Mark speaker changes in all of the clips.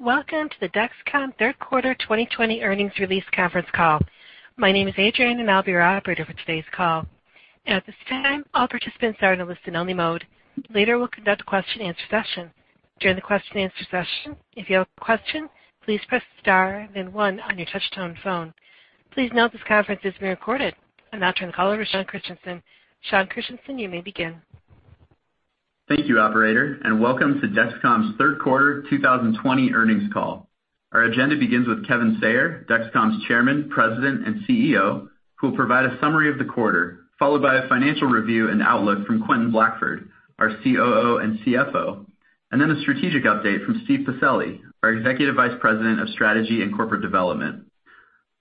Speaker 1: Welcome to the Dexcom third quarter 2020 earnings release conference call. My name is Adrian. I'll be your operator for today's call. At this time, all participants are in a listen only mode. Later, we'll conduct a question and answer session. During the question and answer session, if you have a question, please press star, then one on your touchtone phone. Please note this conference is being recorded. I'll now turn the call over to Sean Christensen. Sean Christensen, you may begin.
Speaker 2: Thank you, operator, and welcome to Dexcom's third quarter 2020 earnings call. Our agenda begins with Kevin Sayer, Dexcom's Chairman, President, and CEO, who will provide a summary of the quarter, followed by a financial review and outlook from Quentin Blackford, our COO and CFO, and then a strategic update from Steve Pacelli, our Executive Vice President of Strategy and Corporate Development.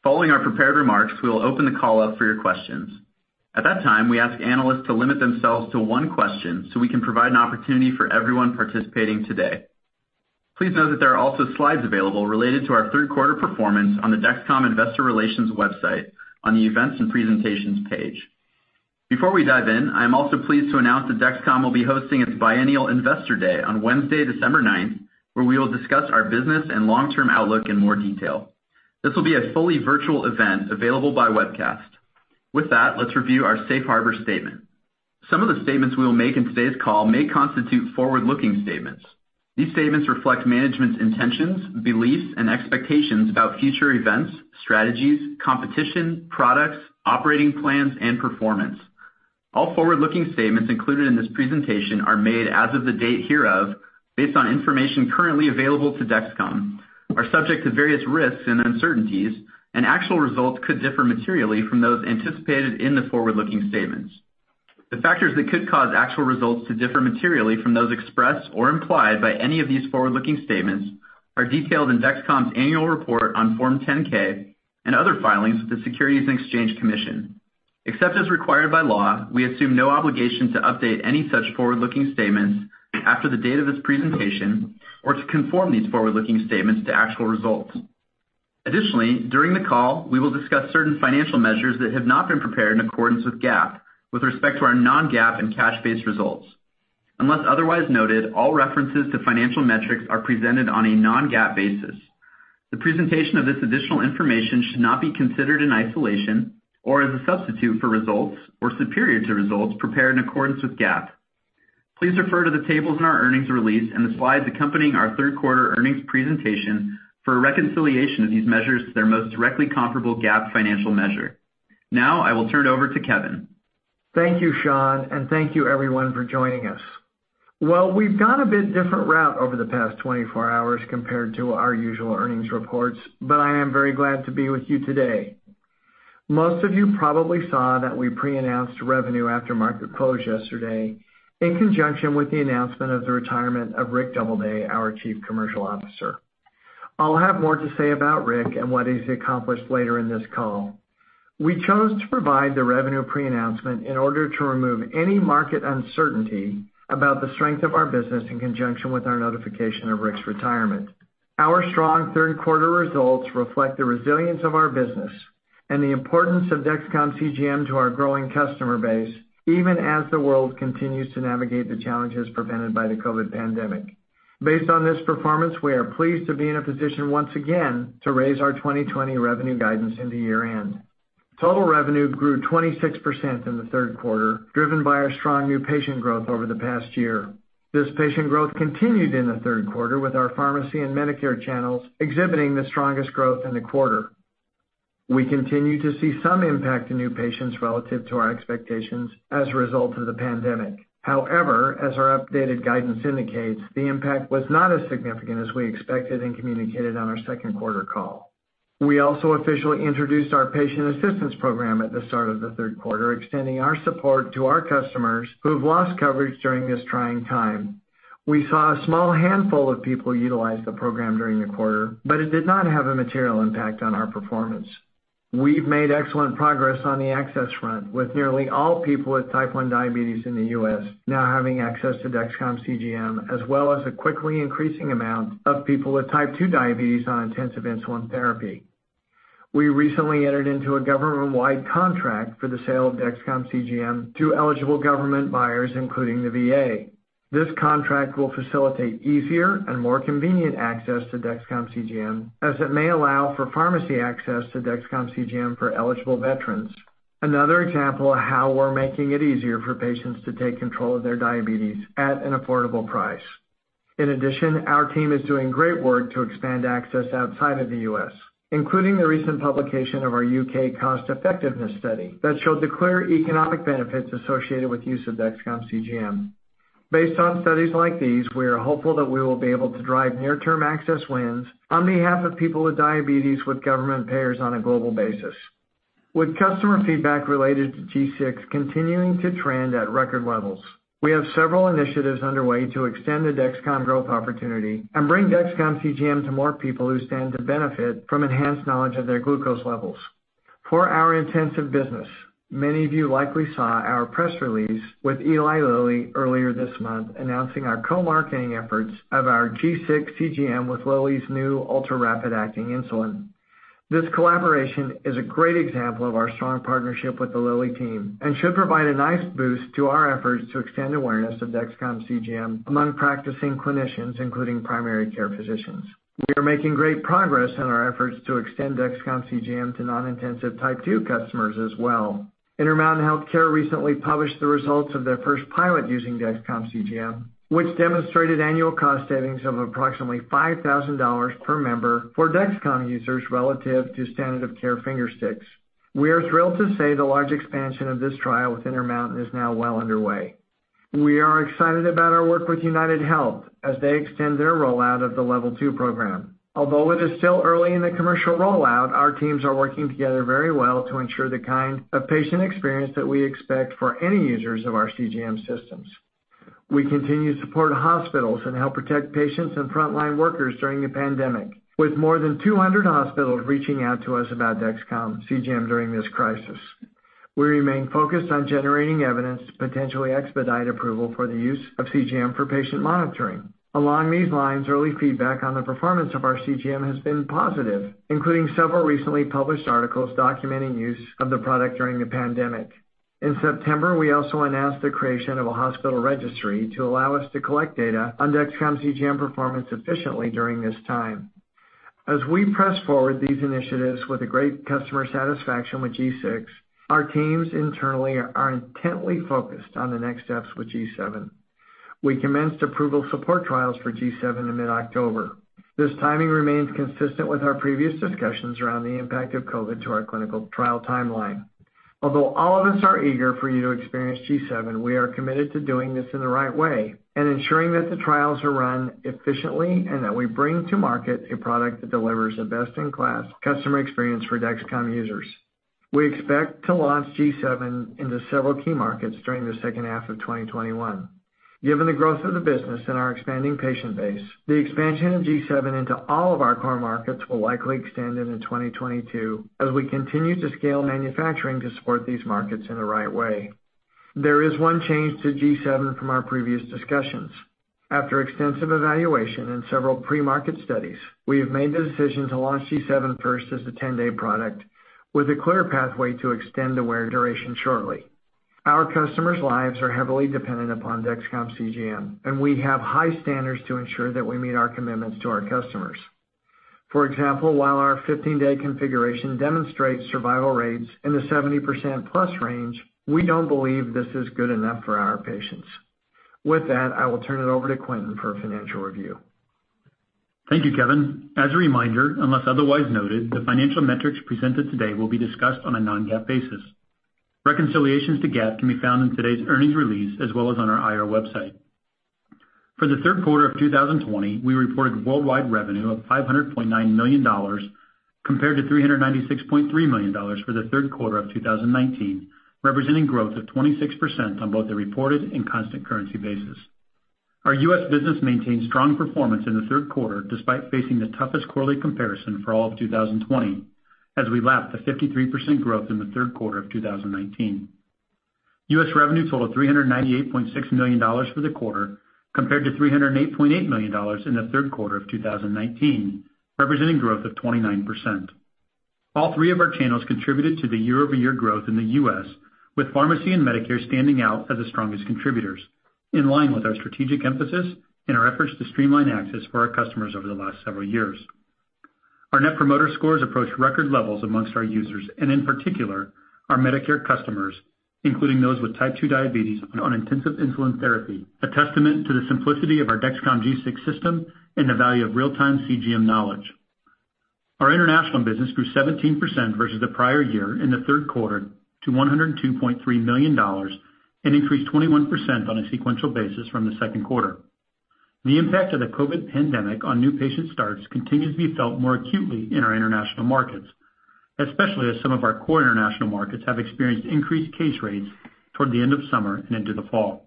Speaker 2: Following our prepared remarks, we will open the call up for your questions. At that time, we ask analysts to limit themselves to one question so we can provide an opportunity for everyone participating today. Please note that there are also slides available related to our third quarter performance on the Dexcom investor relations website on the events and presentations page. Before we dive in, I am also pleased to announce that Dexcom will be hosting its biennial investor day on Wednesday, December 9th, 2020, where we will discuss our business and long-term outlook in more detail. This will be a fully virtual event available by webcast. With that, let's review our safe harbor statement. Some of the statements we will make in today's call may constitute forward-looking statements. These statements reflect management's intentions, beliefs, and expectations about future events, strategies, competition, products, operating plans, and performance. All forward-looking statements included in this presentation are made as of the date hereof based on information currently available to Dexcom, are subject to various risks and uncertainties, and actual results could differ materially from those anticipated in the forward-looking statements. The factors that could cause actual results to differ materially from those expressed or implied by any of these forward-looking statements are detailed in Dexcom's annual report on Form 10-K and other filings with the Securities and Exchange Commission. Except as required by law, we assume no obligation to update any such forward-looking statements after the date of this presentation or to conform these forward-looking statements to actual results. Additionally, during the call, we will discuss certain financial measures that have not been prepared in accordance with GAAP with respect to our non-GAAP and cash-based results. Unless otherwise noted, all references to financial metrics are presented on a non-GAAP basis. The presentation of this additional information should not be considered in isolation or as a substitute for results or superior to results prepared in accordance with GAAP. Please refer to the tables in our earnings release and the slides accompanying our third quarter earnings presentation for a reconciliation of these measures to their most directly comparable GAAP financial measure. Now I will turn it over to Kevin.
Speaker 3: Thank you, Sean, and thank you, everyone, for joining us. We've gone a bit different route over the past 24 hours compared to our usual earnings reports, but I am very glad to be with you today. Most of you probably saw that we pre-announced revenue after market close yesterday in conjunction with the announcement of the retirement of Rick Doubleday, our Chief Commercial Officer. I'll have more to say about Rick and what he's accomplished later in this call. We chose to provide the revenue pre-announcement in order to remove any market uncertainty about the strength of our business in conjunction with our notification of Rick's retirement. Our strong third quarter results reflect the resilience of our business and the importance of Dexcom CGM to our growing customer base, even as the world continues to navigate the challenges presented by the COVID pandemic. Based on this performance, we are pleased to be in a position once again to raise our 2020 revenue guidance into year-end. Total revenue grew 26% in the third quarter, driven by our strong new patient growth over the past year. This patient growth continued in the third quarter, with our pharmacy and Medicare channels exhibiting the strongest growth in the quarter. We continue to see some impact to new patients relative to our expectations as a result of the pandemic. However, as our updated guidance indicates, the impact was not as significant as we expected and communicated on our second quarter call. We also officially introduced our patient assistance program at the start of the third quarter, extending our support to our customers who have lost coverage during this trying time. We saw a small handful of people utilize the program during the quarter, but it did not have a material impact on our performance. We've made excellent progress on the access front, with nearly all people with type 1 diabetes in the U.S. now having access to Dexcom CGM, as well as a quickly increasing amount of people with type 2 diabetes on intensive insulin therapy. We recently entered into a government-wide contract for the sale of Dexcom CGM to eligible government buyers, including the VA. This contract will facilitate easier and more convenient access to Dexcom CGM, as it may allow for pharmacy access to Dexcom CGM for eligible veterans. Another example of how we're making it easier for patients to take control of their diabetes at an affordable price. In addition, our team is doing great work to expand access outside of the U.S., including the recent publication of our U.K. cost-effectiveness study that showed the clear economic benefits associated with use of Dexcom CGM. Based on studies like these, we are hopeful that we will be able to drive near-term access wins on behalf of people with diabetes with government payers on a global basis. With customer feedback related to G6 continuing to trend at record levels, we have several initiatives underway to extend the Dexcom growth opportunity and bring Dexcom CGM to more people who stand to benefit from enhanced knowledge of their glucose levels. For our intensive business, many of you likely saw our press release with Eli Lilly earlier this month announcing our co-marketing efforts of our G6 CGM with Lilly's new ultra-rapid-acting insulin. This collaboration is a great example of our strong partnership with the Lilly team, and should provide a nice boost to our efforts to extend awareness of Dexcom CGM among practicing clinicians, including primary care physicians. We are making great progress in our efforts to extend Dexcom CGM to non-intensive type 2 customers as well. Intermountain Healthcare recently published the results of their first pilot using Dexcom CGM, which demonstrated annual cost savings of approximately $5,000 per member for Dexcom users relative to standard of care finger sticks. We are thrilled to say the large expansion of this trial with Intermountain is now well underway. We are excited about our work with UnitedHealthcare as they extend their rollout of the Level2 program. Although it is still early in the commercial rollout, our teams are working together very well to ensure the kind of patient experience that we expect for any users of our CGM systems. We continue to support hospitals and help protect patients and frontline workers during the pandemic. With more than 200 hospitals reaching out to us about Dexcom CGM during this crisis. We remain focused on generating evidence to potentially expedite approval for the use of CGM for patient monitoring. Along these lines, early feedback on the performance of our CGM has been positive, including several recently published articles documenting use of the product during the pandemic. In September, we also announced the creation of a hospital registry to allow us to collect data on Dexcom CGM performance efficiently during this time. As we press forward these initiatives with a great customer satisfaction with G6, our teams internally are intently focused on the next steps with G7. We commenced approval support trials for G7 in mid-October. This timing remains consistent with our previous discussions around the impact of COVID to our clinical trial timeline. Although all of us are eager for you to experience G7, we are committed to doing this in the right way, and ensuring that the trials are run efficiently, and that we bring to market a product that delivers a best-in-class customer experience for Dexcom users. We expect to launch G7 into several key markets during the second half of 2021. Given the growth of the business and our expanding patient base, the expansion of Dexcom G7 into all of our core markets will likely extend into 2022 as we continue to scale manufacturing to support these markets in the right way. There is one change to Dexcom G7 from our previous discussions. After extensive evaluation in several pre-market studies, we have made the decision to launch Dexcom G7 first as a 10-day product with a clear pathway to extend the wear duration shortly. Our customers' lives are heavily dependent upon Dexcom CGM, and we have high standards to ensure that we meet our commitments to our customers. For example, while our 15-day configuration demonstrates survival rates in the 70%+ range, we don't believe this is good enough for our patients. With that, I will turn it over to Quentin for a financial review.
Speaker 4: Thank you, Kevin. As a reminder, unless otherwise noted, the financial metrics presented today will be discussed on a non-GAAP basis. Reconciliations to GAAP can be found in today's earnings release as well as on our IR website. For the third quarter of 2020, we reported worldwide revenue of $500.9 million compared to $396.3 million for the third quarter of 2019, representing growth of 26% on both the reported and constant currency basis. Our U.S. business maintained strong performance in the third quarter despite facing the toughest quarterly comparison for all of 2020, as we lapped the 53% growth in the third quarter of 2019. U.S. revenue total $398.6 million for the quarter compared to $308.8 million in the third quarter of 2019, representing growth of 29%. All three of our channels contributed to the year-over-year growth in the U.S., with pharmacy and Medicare standing out as the strongest contributors, in line with our strategic emphasis and our efforts to streamline access for our customers over the last several years. Our Net Promoter Scores approach record levels amongst our users, and in particular, our Medicare customers, including those with type 2 diabetes on intensive insulin therapy, a testament to the simplicity of our Dexcom G6 system and the value of real-time CGM knowledge. Our international business grew 17% versus the prior year in the third quarter to $102.3 million, and increased 21% on a sequential basis from the second quarter. The impact of the COVID pandemic on new patient starts continues to be felt more acutely in our international markets, especially as some of our core international markets have experienced increased case rates toward the end of summer and into the fall.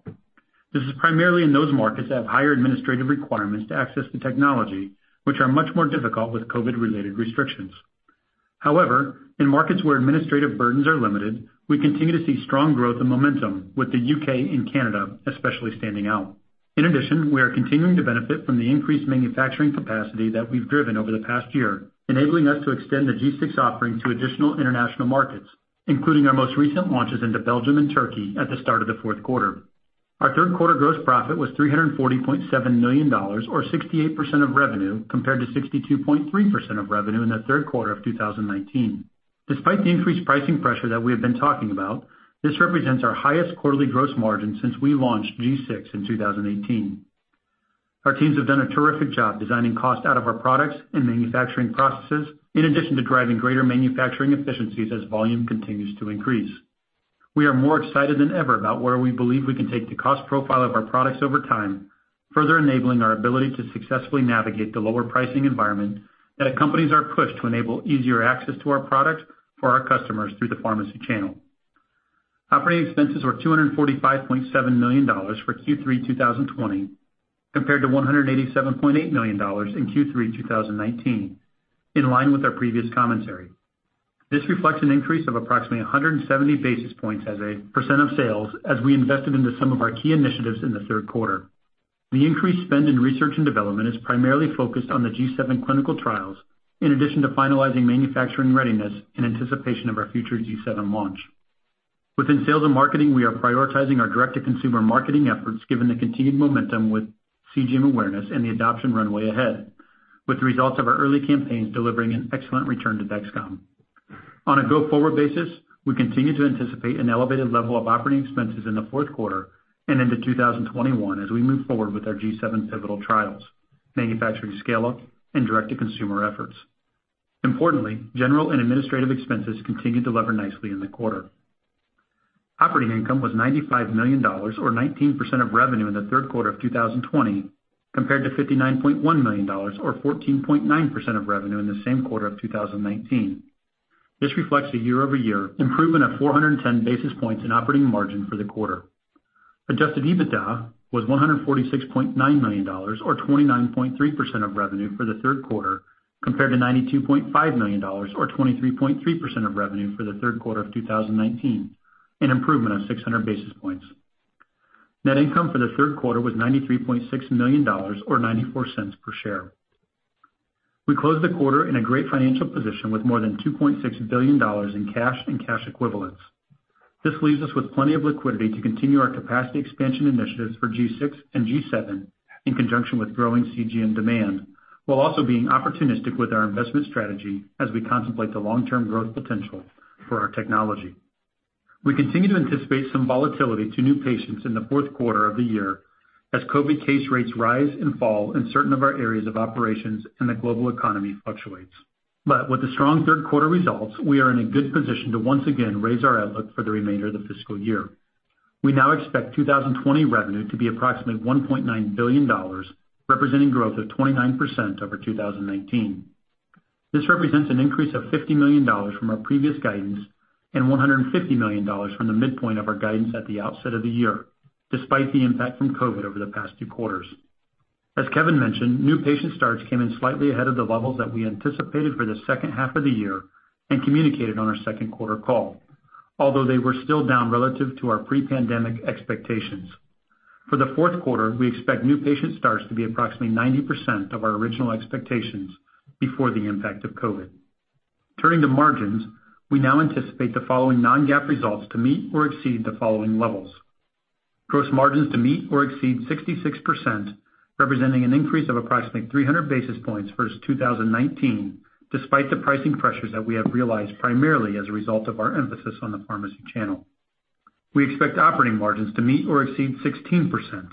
Speaker 4: This is primarily in those markets that have higher administrative requirements to access the technology, which are much more difficult with COVID-related restrictions. However, in markets where administrative burdens are limited, we continue to see strong growth and momentum with the U.K. and Canada especially standing out. In addition, we are continuing to benefit from the increased manufacturing capacity that we've driven over the past year, enabling us to extend the G6 offering to additional international markets, including our most recent launches into Belgium and Turkey at the start of the fourth quarter. Our third quarter gross profit was $340.7 million, or 68% of revenue, compared to 62.3% of revenue in the third quarter of 2019. Despite the increased pricing pressure that we have been talking about, this represents our highest quarterly gross margin since we launched G6 in 2018. Our teams have done a terrific job designing cost out of our products and manufacturing processes, in addition to driving greater manufacturing efficiencies as volume continues to increase. We are more excited than ever about where we believe we can take the cost profile of our products over time, further enabling our ability to successfully navigate the lower pricing environment that accompanies our push to enable easier access to our products for our customers through the pharmacy channel. Operating expenses were $245.7 million for Q3 2020 compared to $187.8 million in Q3 2019, in line with our previous commentary. This reflects an increase of approximately 170 basis points as a percent of sales as we invested into some of our key initiatives in the third quarter. The increased spend in research and development is primarily focused on the G7 clinical trials, in addition to finalizing manufacturing readiness in anticipation of our future G7 launch. Within sales and marketing, we are prioritizing our direct-to-consumer marketing efforts, given the continued momentum with CGM awareness and the adoption runway ahead, with the results of our early campaigns delivering an excellent return to Dexcom. On a go-forward basis, we continue to anticipate an elevated level of operating expenses in the fourth quarter and into 2021 as we move forward with our G7 pivotal trials, manufacturing scale-up, and direct-to-consumer efforts. Importantly, general and administrative expenses continued to lever nicely in the quarter. Operating income was $95 million, or 19% of revenue in the third quarter of 2020, compared to $59.1 million or 14.9% of revenue in the same quarter of 2019. This reflects a year-over-year improvement of 410 basis points in operating margin for the quarter. Adjusted EBITDA was $146.9 million, or 29.3% of revenue for the third quarter, compared to $92.5 million or 23.3% of revenue for the third quarter of 2019, an improvement of 600 basis points. Net income for the third quarter was $93.6 million or $0.94 per share. We closed the quarter in a great financial position with more than $2.6 billion in cash and cash equivalents. This leaves us with plenty of liquidity to continue our capacity expansion initiatives for G6 and G7 in conjunction with growing CGM demand, while also being opportunistic with our investment strategy as we contemplate the long-term growth potential for our technology. We continue to anticipate some volatility to new patients in the fourth quarter of the year, as COVID case rates rise and fall in certain of our areas of operations and the global economy fluctuates. With the strong third quarter results, we are in a good position to once again raise our outlook for the remainder of the fiscal year. We now expect 2020 revenue to be approximately $1.9 billion, representing growth of 29% over 2019. This represents an increase of $50 million from our previous guidance and $150 million from the midpoint of our guidance at the outset of the year, despite the impact from COVID over the past two quarters. As Kevin mentioned, new patient starts came in slightly ahead of the levels that we anticipated for the second half of the year and communicated on our second quarter call. Although they were still down relative to our pre-pandemic expectations. For the fourth quarter, we expect new patient starts to be approximately 90% of our original expectations before the impact of COVID. Turning to margins, we now anticipate the following non-GAAP results to meet or exceed the following levels. Gross margins to meet or exceed 66%, representing an increase of approximately 300 basis points versus 2019, despite the pricing pressures that we have realized primarily as a result of our emphasis on the pharmacy channel. We expect operating margins to meet or exceed 16%,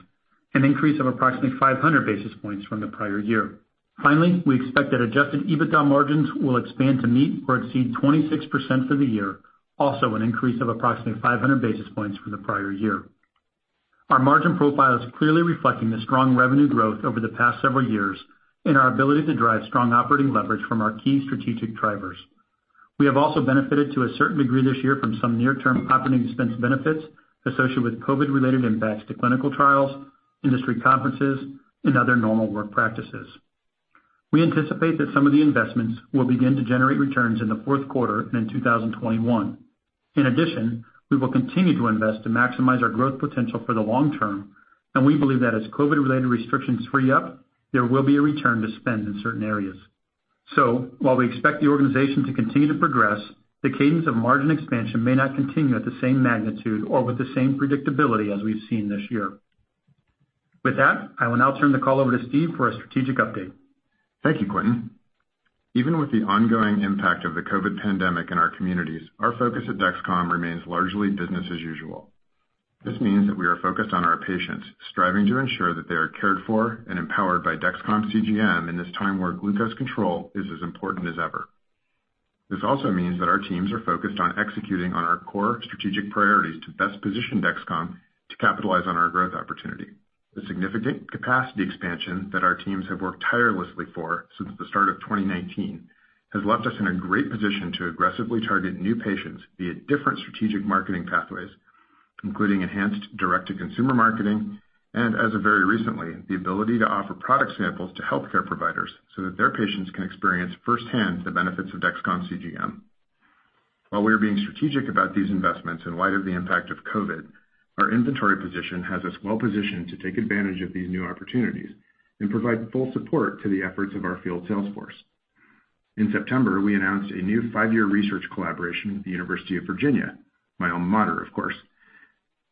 Speaker 4: an increase of approximately 500 basis points from the prior year. Finally, we expect that adjusted EBITDA margins will expand to meet or exceed 26% for the year, also an increase of approximately 500 basis points from the prior year. Our margin profile is clearly reflecting the strong revenue growth over the past several years and our ability to drive strong operating leverage from our key strategic drivers. We have also benefited to a certain degree this year from some near-term operating expense benefits associated with COVID-related impacts to clinical trials, industry conferences, and other normal work practices. We anticipate that some of the investments will begin to generate returns in the fourth quarter and in 2021. In addition, we will continue to invest to maximize our growth potential for the long term, and we believe that as COVID-related restrictions free up, there will be a return to spend in certain areas. While we expect the organization to continue to progress, the cadence of margin expansion may not continue at the same magnitude or with the same predictability as we've seen this year. With that, I will now turn the call over to Steve for a strategic update.
Speaker 5: Thank you, Quentin. Even with the ongoing impact of the COVID pandemic in our communities, our focus at Dexcom remains largely business as usual. This means that we are focused on our patients, striving to ensure that they are cared for and empowered by Dexcom CGM in this time where glucose control is as important as ever. This also means that our teams are focused on executing on our core strategic priorities to best position Dexcom to capitalize on our growth opportunity. The significant capacity expansion that our teams have worked tirelessly for since the start of 2019 has left us in a great position to aggressively target new patients via different strategic marketing pathways, including enhanced direct-to-consumer marketing and, as of very recently, the ability to offer product samples to healthcare providers so that their patients can experience firsthand the benefits of Dexcom CGM. While we are being strategic about these investments in light of the impact of COVID, our inventory position has us well positioned to take advantage of these new opportunities and provide full support to the efforts of our field sales force. In September, we announced a new five-year research collaboration with the University of Virginia, my alma mater of course.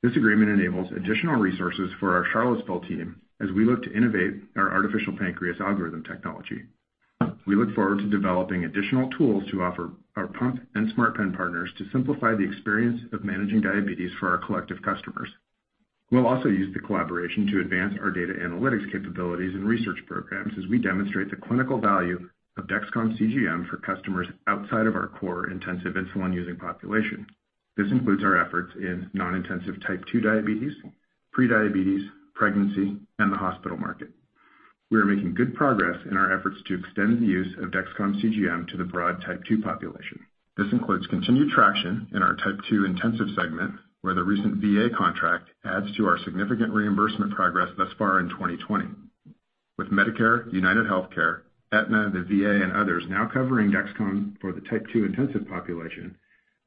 Speaker 5: This agreement enables additional resources for our Charlottesville team as we look to innovate our artificial pancreas algorithm technology. We look forward to developing additional tools to offer our pump and smart pen partners to simplify the experience of managing diabetes for our collective customers. We'll also use the collaboration to advance our data analytics capabilities and research programs as we demonstrate the clinical value of Dexcom CGM for customers outside of our core intensive insulin-using population. This includes our efforts in non-intensive type 2 diabetes, pre-diabetes, pregnancy, and the hospital market. We are making good progress in our efforts to extend the use of Dexcom CGM to the broad type 2 population. This includes continued traction in our type 2 intensive segment, where the recent VA contract adds to our significant reimbursement progress thus far in 2020. With Medicare, UnitedHealthcare, Aetna, the VA, and others now covering Dexcom for the type 2 intensive population,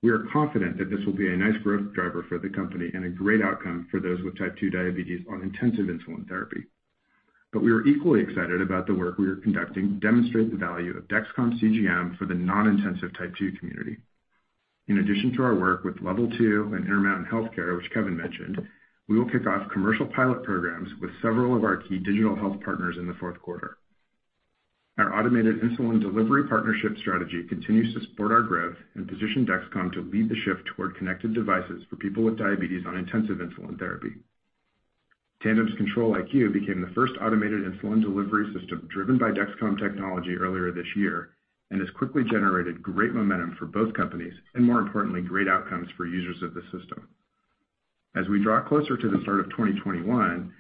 Speaker 5: we are confident that this will be a nice growth driver for the company and a great outcome for those with type 2 diabetes on intensive insulin therapy. We are equally excited about the work we are conducting to demonstrate the value of Dexcom CGM for the non-intensive type 2 community. In addition to our work with Level2 and Intermountain Healthcare, which Kevin mentioned, we will kick off commercial pilot programs with several of our key digital health partners in the fourth quarter. Our automated insulin delivery partnership strategy continues to support our growth and position Dexcom to lead the shift toward connected devices for people with diabetes on intensive insulin therapy. Tandem's Control-IQ became the first automated insulin delivery system driven by Dexcom technology earlier this year and has quickly generated great momentum for both companies and, more importantly, great outcomes for users of the system. As we draw closer to the start of 2021,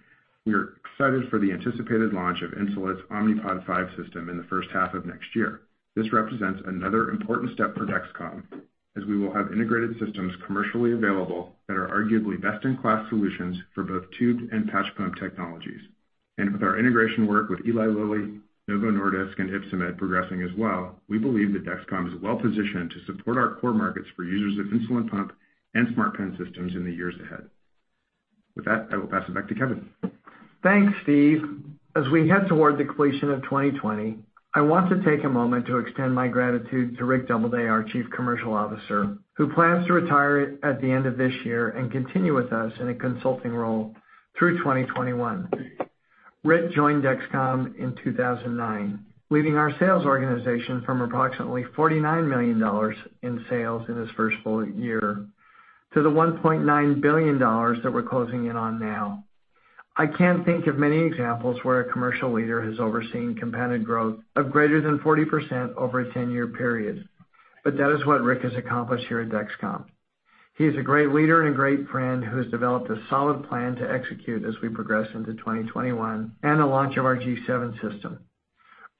Speaker 5: we are excited for the anticipated launch of Insulet's Omnipod 5 system in the first half of next year. This represents another important step for Dexcom, as we will have integrated systems commercially available that are arguably best-in-class solutions for both tubed and patch pump technologies. With our integration work with Eli Lilly, Novo Nordisk, and Ypsomed progressing as well, we believe that Dexcom is well-positioned to support our core markets for users of insulin pump and smart pen systems in the years ahead. With that, I will pass it back to Kevin.
Speaker 3: Thanks, Steve. As we head towards the completion of 2020, I want to take a moment to extend my gratitude to Rick Doubleday, our Chief Commercial Officer, who plans to retire at the end of this year and continue with us in a consulting role through 2021. Rick joined Dexcom in 2009, leading our sales organization from approximately $49 million in sales in his first full year to the $1.9 billion that we're closing in on now. I can't think of many examples where a commercial leader has overseen compounded growth of greater than 40% over a 10-year period, that is what Rick has accomplished here at Dexcom. He is a great leader and a great friend who has developed a solid plan to execute as we progress into 2021 and the launch of our G7 system.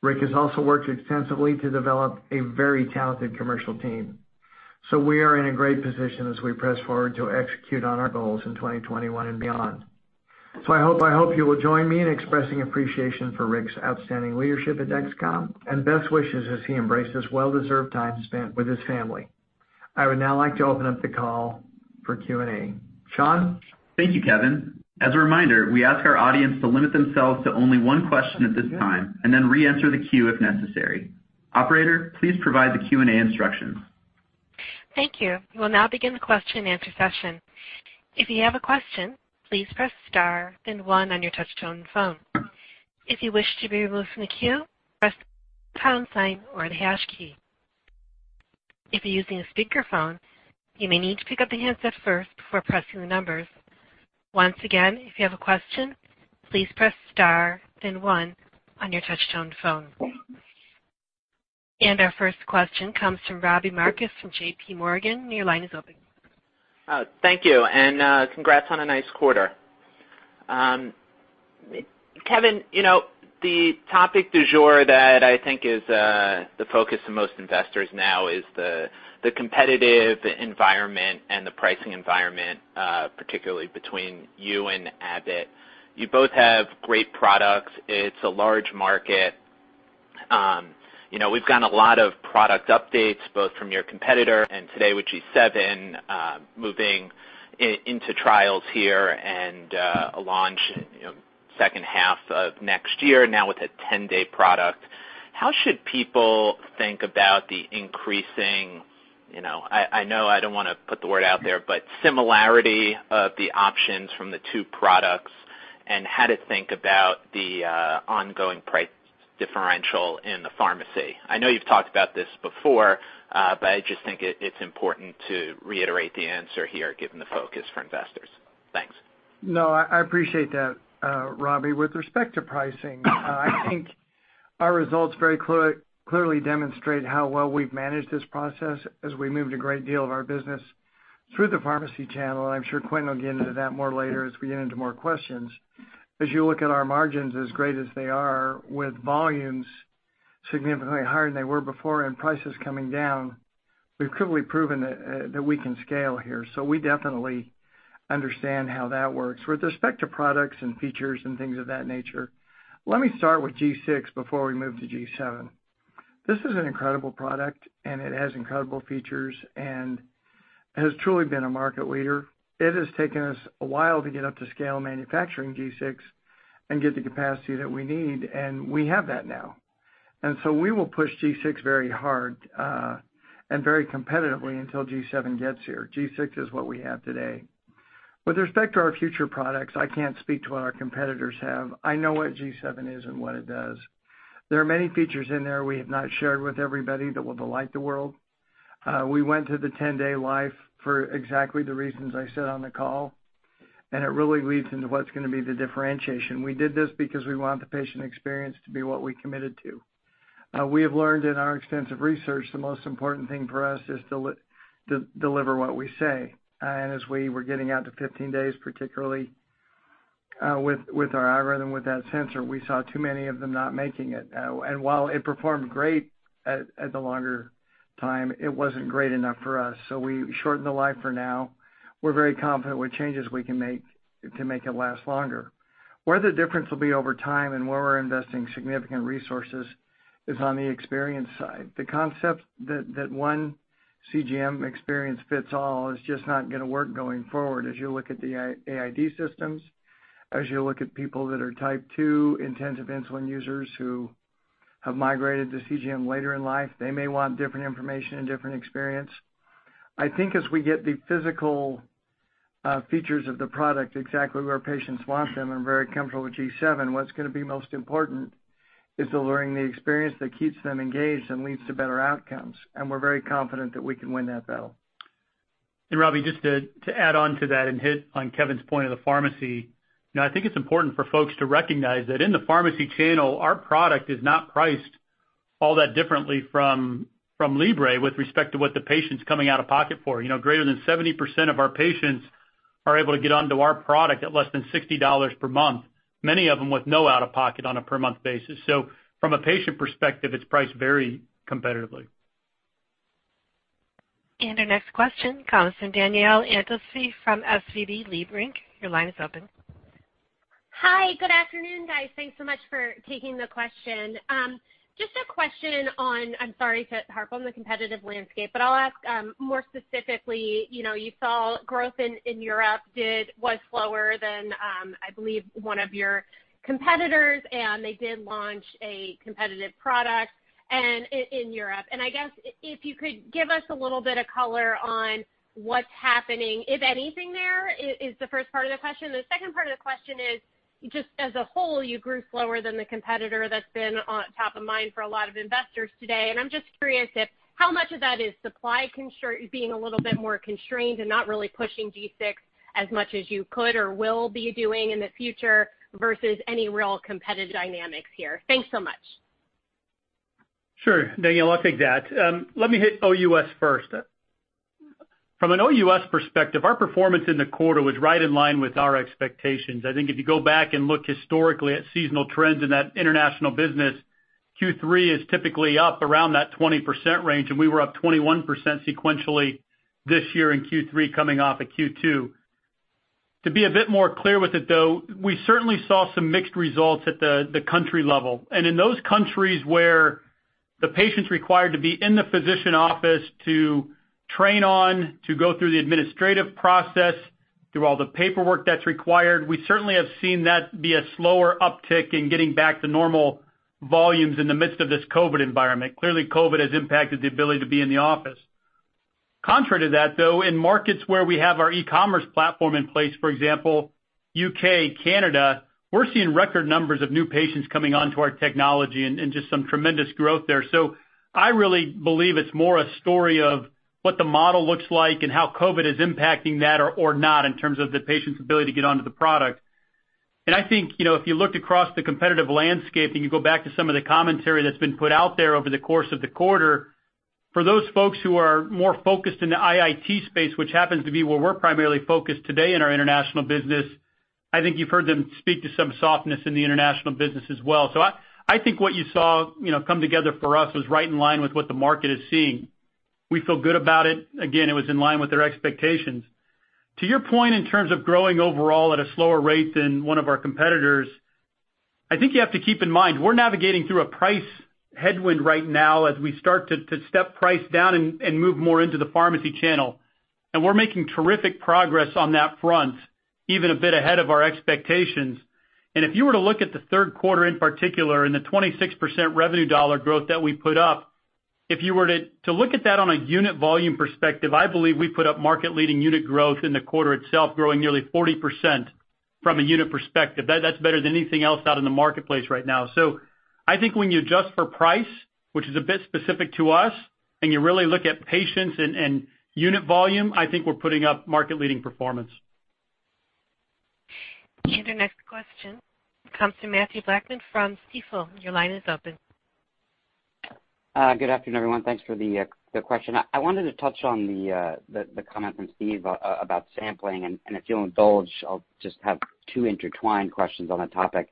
Speaker 3: Rick has also worked extensively to develop a very talented commercial team. We are in a great position as we press forward to execute on our goals in 2021 and beyond. I hope you will join me in expressing appreciation for Rick's outstanding leadership at Dexcom and best wishes as he embraces well-deserved time spent with his family. I would now like to open up the call for Q&A. Sean?
Speaker 2: Thank you, Kevin. As a reminder, we ask our audience to limit themselves to only one question at this time, and then reenter the queue if necessary. Operator, please provide the Q&A instructions.
Speaker 1: Thank you. We'll now begin the question and answer session. If you have a question, please press star then one on your touch tone phone. If you wish to be able to queue, press pound sign or a hash key. If you're using a speaker phone, you may need to pick up the handset first before pressing your numbers. Once again, if you have a question, please press star then one on your touch tone phone. Our first question comes from Robbie Marcus from JPMorgan. Your line is open.
Speaker 6: Thank you, and congrats on a nice quarter. Kevin, the topic du jour that I think is the focus of most investors now is the competitive environment and the pricing environment, particularly between you and Abbott. You both have great products. It's a large market. We've gotten a lot of product updates both from your competitor and today with G7 moving into trials here and a launch second half of next year now with a 10-day product. How should people think about the increasing, I know I don't want to put the word out there, but similarity of the options from the two products, and how to think about the ongoing price differential in the pharmacy? I know you've talked about this before, but I just think it's important to reiterate the answer here given the focus for investors. Thanks.
Speaker 3: I appreciate that, Robbie. With respect to pricing, I think our results very clearly demonstrate how well we've managed this process as we moved a great deal of our business through the pharmacy channel, and I'm sure Quentin will get into that more later as we get into more questions. You look at our margins, as great as they are with volumes significantly higher than they were before and prices coming down, we've clearly proven that we can scale here. We definitely understand how that works. With respect to products and features and things of that nature, let me start with G6 before we move to G7. This is an incredible product, and it has incredible features, and has truly been a market leader. It has taken us a while to get up to scale manufacturing G6 and get the capacity that we need. We have that now. We will push G6 very hard and very competitively until G7 gets here. G6 is what we have today. With respect to our future products, I can't speak to what our competitors have. I know what G7 is and what it does. There are many features in there we have not shared with everybody that will delight the world. We went to the 10-day life for exactly the reasons I said on the call. It really leads into what's going to be the differentiation. We did this because we want the patient experience to be what we committed to. We have learned in our extensive research, the most important thing for us is to deliver what we say. As we were getting out to 15 days, particularly with our algorithm, with that sensor, we saw too many of them not making it. While it performed great at the longer time, it wasn't great enough for us. We shortened the life for now. We're very confident with changes we can make to make it last longer. Where the difference will be over time and where we're investing significant resources is on the experience side. The concept that one CGM experience fits all is just not going to work going forward. As you look at the AID systems, as you look at people that are type 2 intensive insulin users who have migrated to CGM later in life, they may want different information and different experience. I think as we get the physical features of the product exactly where patients want them and very comfortable with G7, what's going to be most important is delivering the experience that keeps them engaged and leads to better outcomes. We're very confident that we can win that battle.
Speaker 4: Robbie, just to add on to that and hit on Kevin's point of the pharmacy. I think it's important for folks to recognize that in the pharmacy channel, our product is not priced all that differently from Libre with respect to what the patient's coming out of pocket for. Greater than 70% of our patients are able to get onto our product at less than $60 per month, many of them with no out-of-pocket on a per month basis. From a patient perspective, it's priced very competitively.
Speaker 1: Our next question comes from Danielle Antalffy from SVB Leerink. Your line is open.
Speaker 7: Hi, good afternoon, guys. Thanks so much for taking the question. Just a question on, I'm sorry to harp on the competitive landscape, but I'll ask more specifically. You saw growth in Europe was slower than, I believe, one of your competitors, and they did launch a competitive product in Europe. I guess if you could give us a little bit of color on what's happening, if anything, there is the first part of the question. The second part of the question is just as a whole, you grew slower than the competitor that's been on top of mind for a lot of investors today. I'm just curious if how much of that is supply being a little bit more constrained and not really pushing G6 as much as you could or will be doing in the future versus any real competitive dynamics here. Thanks so much.
Speaker 4: Sure. Danielle, I'll take that. Let me hit OUS first. From an OUS perspective, our performance in the quarter was right in line with our expectations. If you go back and look historically at seasonal trends in that international business, Q3 is typically up around that 20% range, we were up 21% sequentially this year in Q3 coming off of Q2. To be a bit more clear with it, though, we certainly saw some mixed results at the country level. In those countries where the patient's required to be in the physician office to train on, to go through the administrative process, do all the paperwork that's required, we certainly have seen that be a slower uptick in getting back to normal volumes in the midst of this COVID environment. Clearly, COVID has impacted the ability to be in the office. Contrary to that, though, in markets where we have our e-commerce platform in place, for example, U.K., Canada, we're seeing record numbers of new patients coming onto our technology and just some tremendous growth there. I really believe it's more a story of what the model looks like and how COVID is impacting that or not in terms of the patient's ability to get onto the product. I think, if you looked across the competitive landscape, and you go back to some of the commentary that's been put out there over the course of the quarter, for those folks who are more focused in the IIT space, which happens to be where we're primarily focused today in our international business, I think you've heard them speak to some softness in the international business as well. I think what you saw come together for us was right in line with what the market is seeing. We feel good about it. Again, it was in line with their expectations. To your point in terms of growing overall at a slower rate than one of our competitors, I think you have to keep in mind, we're navigating through a price headwind right now as we start to step price down and move more into the pharmacy channel. We're making terrific progress on that front, even a bit ahead of our expectations. If you were to look at the third quarter in particular and the 26% revenue dollar growth that we put up, if you were to look at that on a unit volume perspective, I believe we put up market leading unit growth in the quarter itself, growing nearly 40% from a unit perspective. That's better than anything else out in the marketplace right now. I think when you adjust for price, which is a bit specific to us, and you really look at patients and unit volume, I think we're putting up market-leading performance.
Speaker 1: The next question comes from Mathew Blackman from Stifel. Your line is open.
Speaker 8: Good afternoon, everyone. Thanks for the question. I wanted to touch on the comment from Steve about sampling. If you'll indulge, I'll just have two intertwined questions on the topic.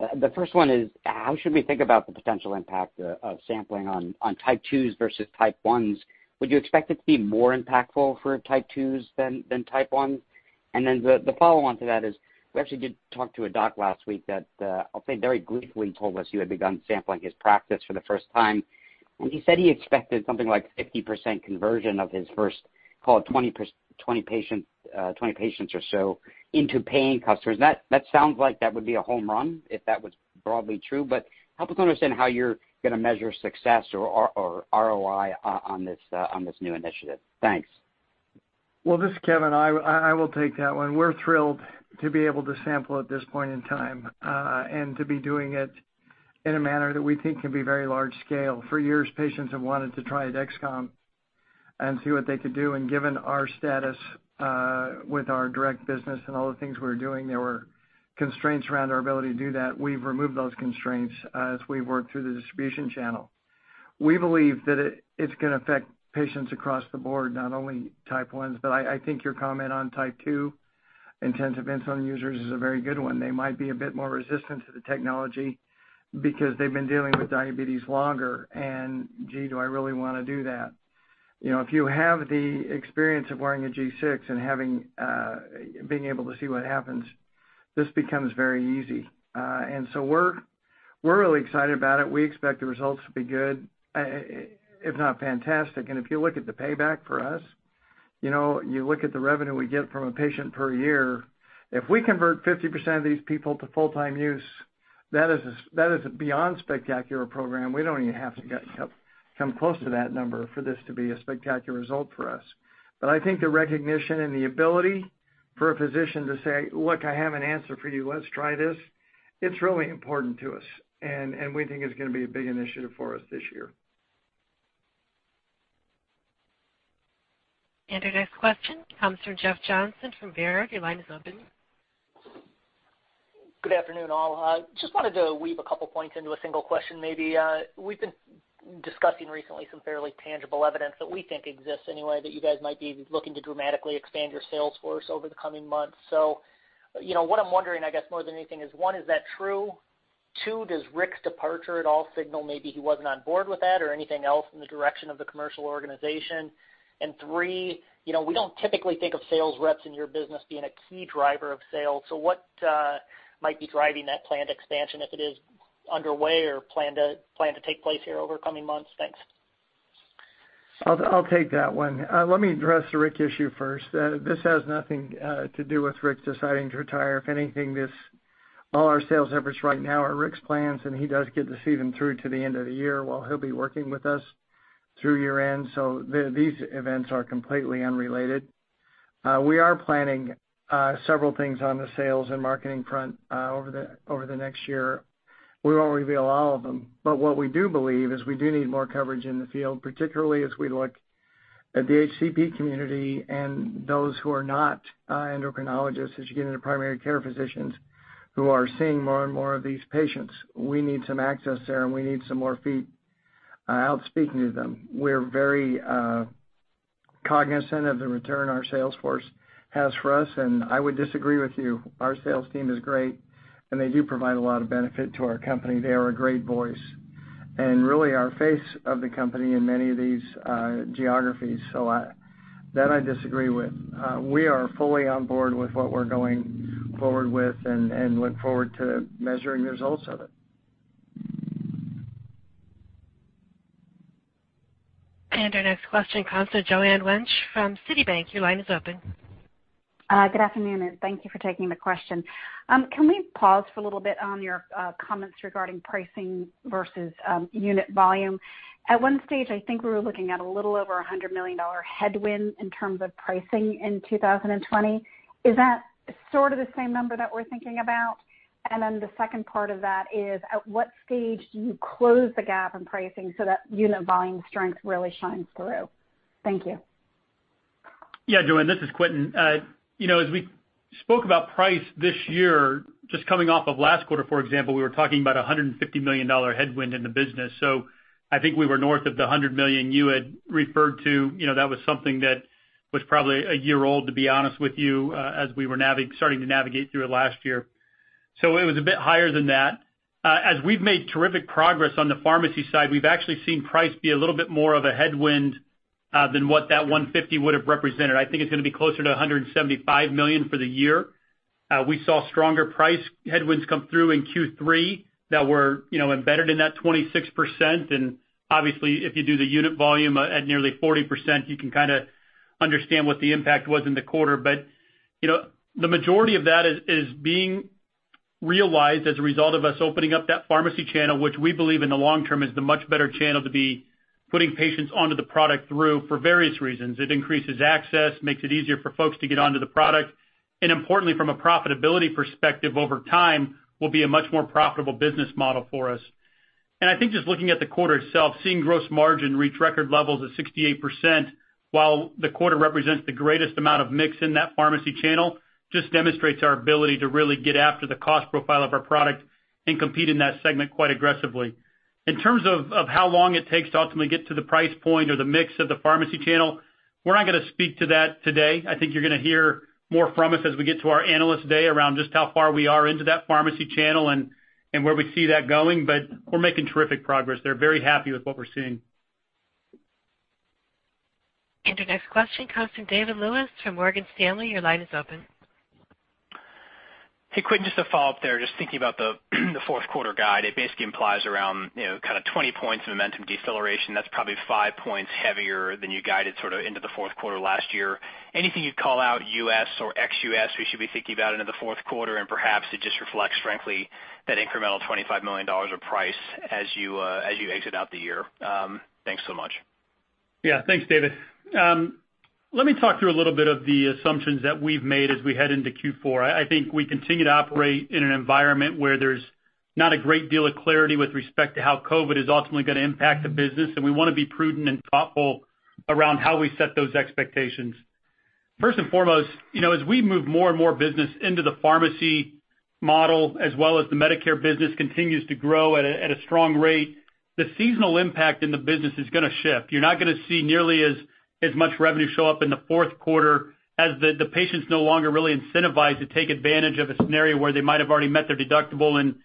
Speaker 8: The first one is, how should we think about the potential impact of sampling on type 2s versus type 1s? Would you expect it to be more impactful for type 2s than type 1s? Then the follow-on to that is, we actually did talk to a doc last week that I'll say very gleefully told us he had begun sampling his practice for the first time. He said he expected something like 50% conversion of his first call, 20 patients or so into paying customers. That sounds like that would be a home run if that was broadly true. Help us understand how you're going to measure success or ROI on this new initiative. Thanks.
Speaker 3: Well, this is Kevin. I will take that one. We're thrilled to be able to sample at this point in time, and to be doing it in a manner that we think can be very large scale. For years, patients have wanted to try Dexcom and see what they could do, and given our status with our direct business and all the things we were doing, there were constraints around our ability to do that. We've removed those constraints as we work through the distribution channel. We believe that it's going to affect patients across the board, not only type 1s. I think your comment on type 2 intensive insulin users is a very good one. They might be a bit more resistant to the technology because they've been dealing with diabetes longer and, "Gee, do I really want to do that?" If you have the experience of wearing a G6 and being able to see what happens, this becomes very easy. We're really excited about it. We expect the results to be good, if not fantastic. If you look at the payback for us, you look at the revenue we get from a patient per year. If we convert 50% of these people to full-time use, that is a beyond spectacular program. We don't even have to come close to that number for this to be a spectacular result for us. I think the recognition and the ability for a physician to say, "Look, I have an answer for you. Let's try this. It's really important to us. We think it's going to be a big initiative for us this year.
Speaker 1: Our next question comes from Jeff Johnson from Baird. Your line is open.
Speaker 9: Good afternoon, all. Just wanted to weave a couple points into a single question, maybe. We've been discussing recently some fairly tangible evidence that we think exists anyway, that you guys might be looking to dramatically expand your sales force over the coming months. What I'm wondering, I guess, more than anything is, one, is that true? Two, does Rick's departure at all signal maybe he wasn't on board with that or anything else in the direction of the commercial organization? Three, we don't typically think of sales reps in your business being a key driver of sales, so what might be driving that planned expansion, if it is underway or planned to take place here over coming months? Thanks.
Speaker 3: I'll take that one. Let me address the Rick issue first. This has nothing to do with Rick deciding to retire. If anything, all our sales efforts right now are Rick's plans, and he does get to see them through to the end of the year while he'll be working with us through year-end. These events are completely unrelated. We are planning several things on the sales and marketing front over the next year. We won't reveal all of them, what we do believe is we do need more coverage in the field, particularly as we look at the HCP community and those who are not endocrinologists, as you get into primary care physicians who are seeing more and more of these patients. We need some access there, we need some more feet out speaking to them. We're very cognizant of the return our sales force has for us. I would disagree with you. Our sales team is great. They do provide a lot of benefit to our company. They are a great voice and really are face of the company in many of these geographies. That I disagree with. We are fully on board with what we're going forward with and look forward to measuring the results of it.
Speaker 1: Our next question comes to Joanne Wuensch from Citibank. Your line is open.
Speaker 10: Good afternoon. Thank you for taking the question. Can we pause for a little bit on your comments regarding pricing versus unit volume? At stage 1, I think we were looking at a little over $100 million headwind in terms of pricing in 2020. Is that sort of the same number that we're thinking about? The second part of that is, at what stage do you close the gap in pricing so that unit volume strength really shines through? Thank you.
Speaker 4: Yeah, Joanne, this is Quentin. As we spoke about price this year, just coming off of last quarter, for example, we were talking about $150 million headwind in the business. I think we were north of the $100 million you had referred to. That was something that was probably a year old, to be honest with you, as we were starting to navigate through it last year. It was a bit higher than that. As we've made terrific progress on the pharmacy side, we've actually seen price be a little bit more of a headwind than what that $150 would have represented. I think it's going to be closer to $175 million for the year. We saw stronger price headwinds come through in Q3 that were embedded in that 26%. Obviously, if you do the unit volume at nearly 40%, you can kind of understand what the impact was in the quarter. The majority of that is being realized as a result of us opening up that pharmacy channel, which we believe in the long term is the much better channel to be putting patients onto the product through for various reasons. It increases access, makes it easier for folks to get onto the product, and importantly, from a profitability perspective over time, will be a much more profitable business model for us. I think just looking at the quarter itself, seeing gross margin reach record levels of 68%, while the quarter represents the greatest amount of mix in that pharmacy channel, just demonstrates our ability to really get after the cost profile of our product and compete in that segment quite aggressively. In terms of how long it takes to ultimately get to the price point or the mix of the pharmacy channel, we're not going to speak to that today. I think you're going to hear more from us as we get to our Analyst Day around just how far we are into that pharmacy channel and where we see that going. We're making terrific progress there. Very happy with what we're seeing.
Speaker 1: Our next question comes from David Lewis from Morgan Stanley. Your line is open.
Speaker 11: Hey, Quentin, just a follow-up there. Just thinking about the fourth quarter guide, it basically implies around 20 points momentum deceleration. That's probably five points heavier than you guided into the fourth quarter last year. Anything you'd call out U.S. or ex-U.S. We should be thinking about into the fourth quarter and perhaps it just reflects frankly that incremental $25 million of price as you exit out the year? Thanks so much.
Speaker 4: Yeah. Thanks, David. Let me talk through a little bit of the assumptions that we've made as we head into Q4. I think we continue to operate in an environment where there's not a great deal of clarity with respect to how COVID is ultimately going to impact the business. We want to be prudent and thoughtful around how we set those expectations. First and foremost, as we move more and more business into the pharmacy model, as well as the Medicare business continues to grow at a strong rate, the seasonal impact in the business is going to shift. You're not going to see nearly as much revenue show up in the fourth quarter as the patient's no longer really incentivized to take advantage of a scenario where they might have already met their deductible, and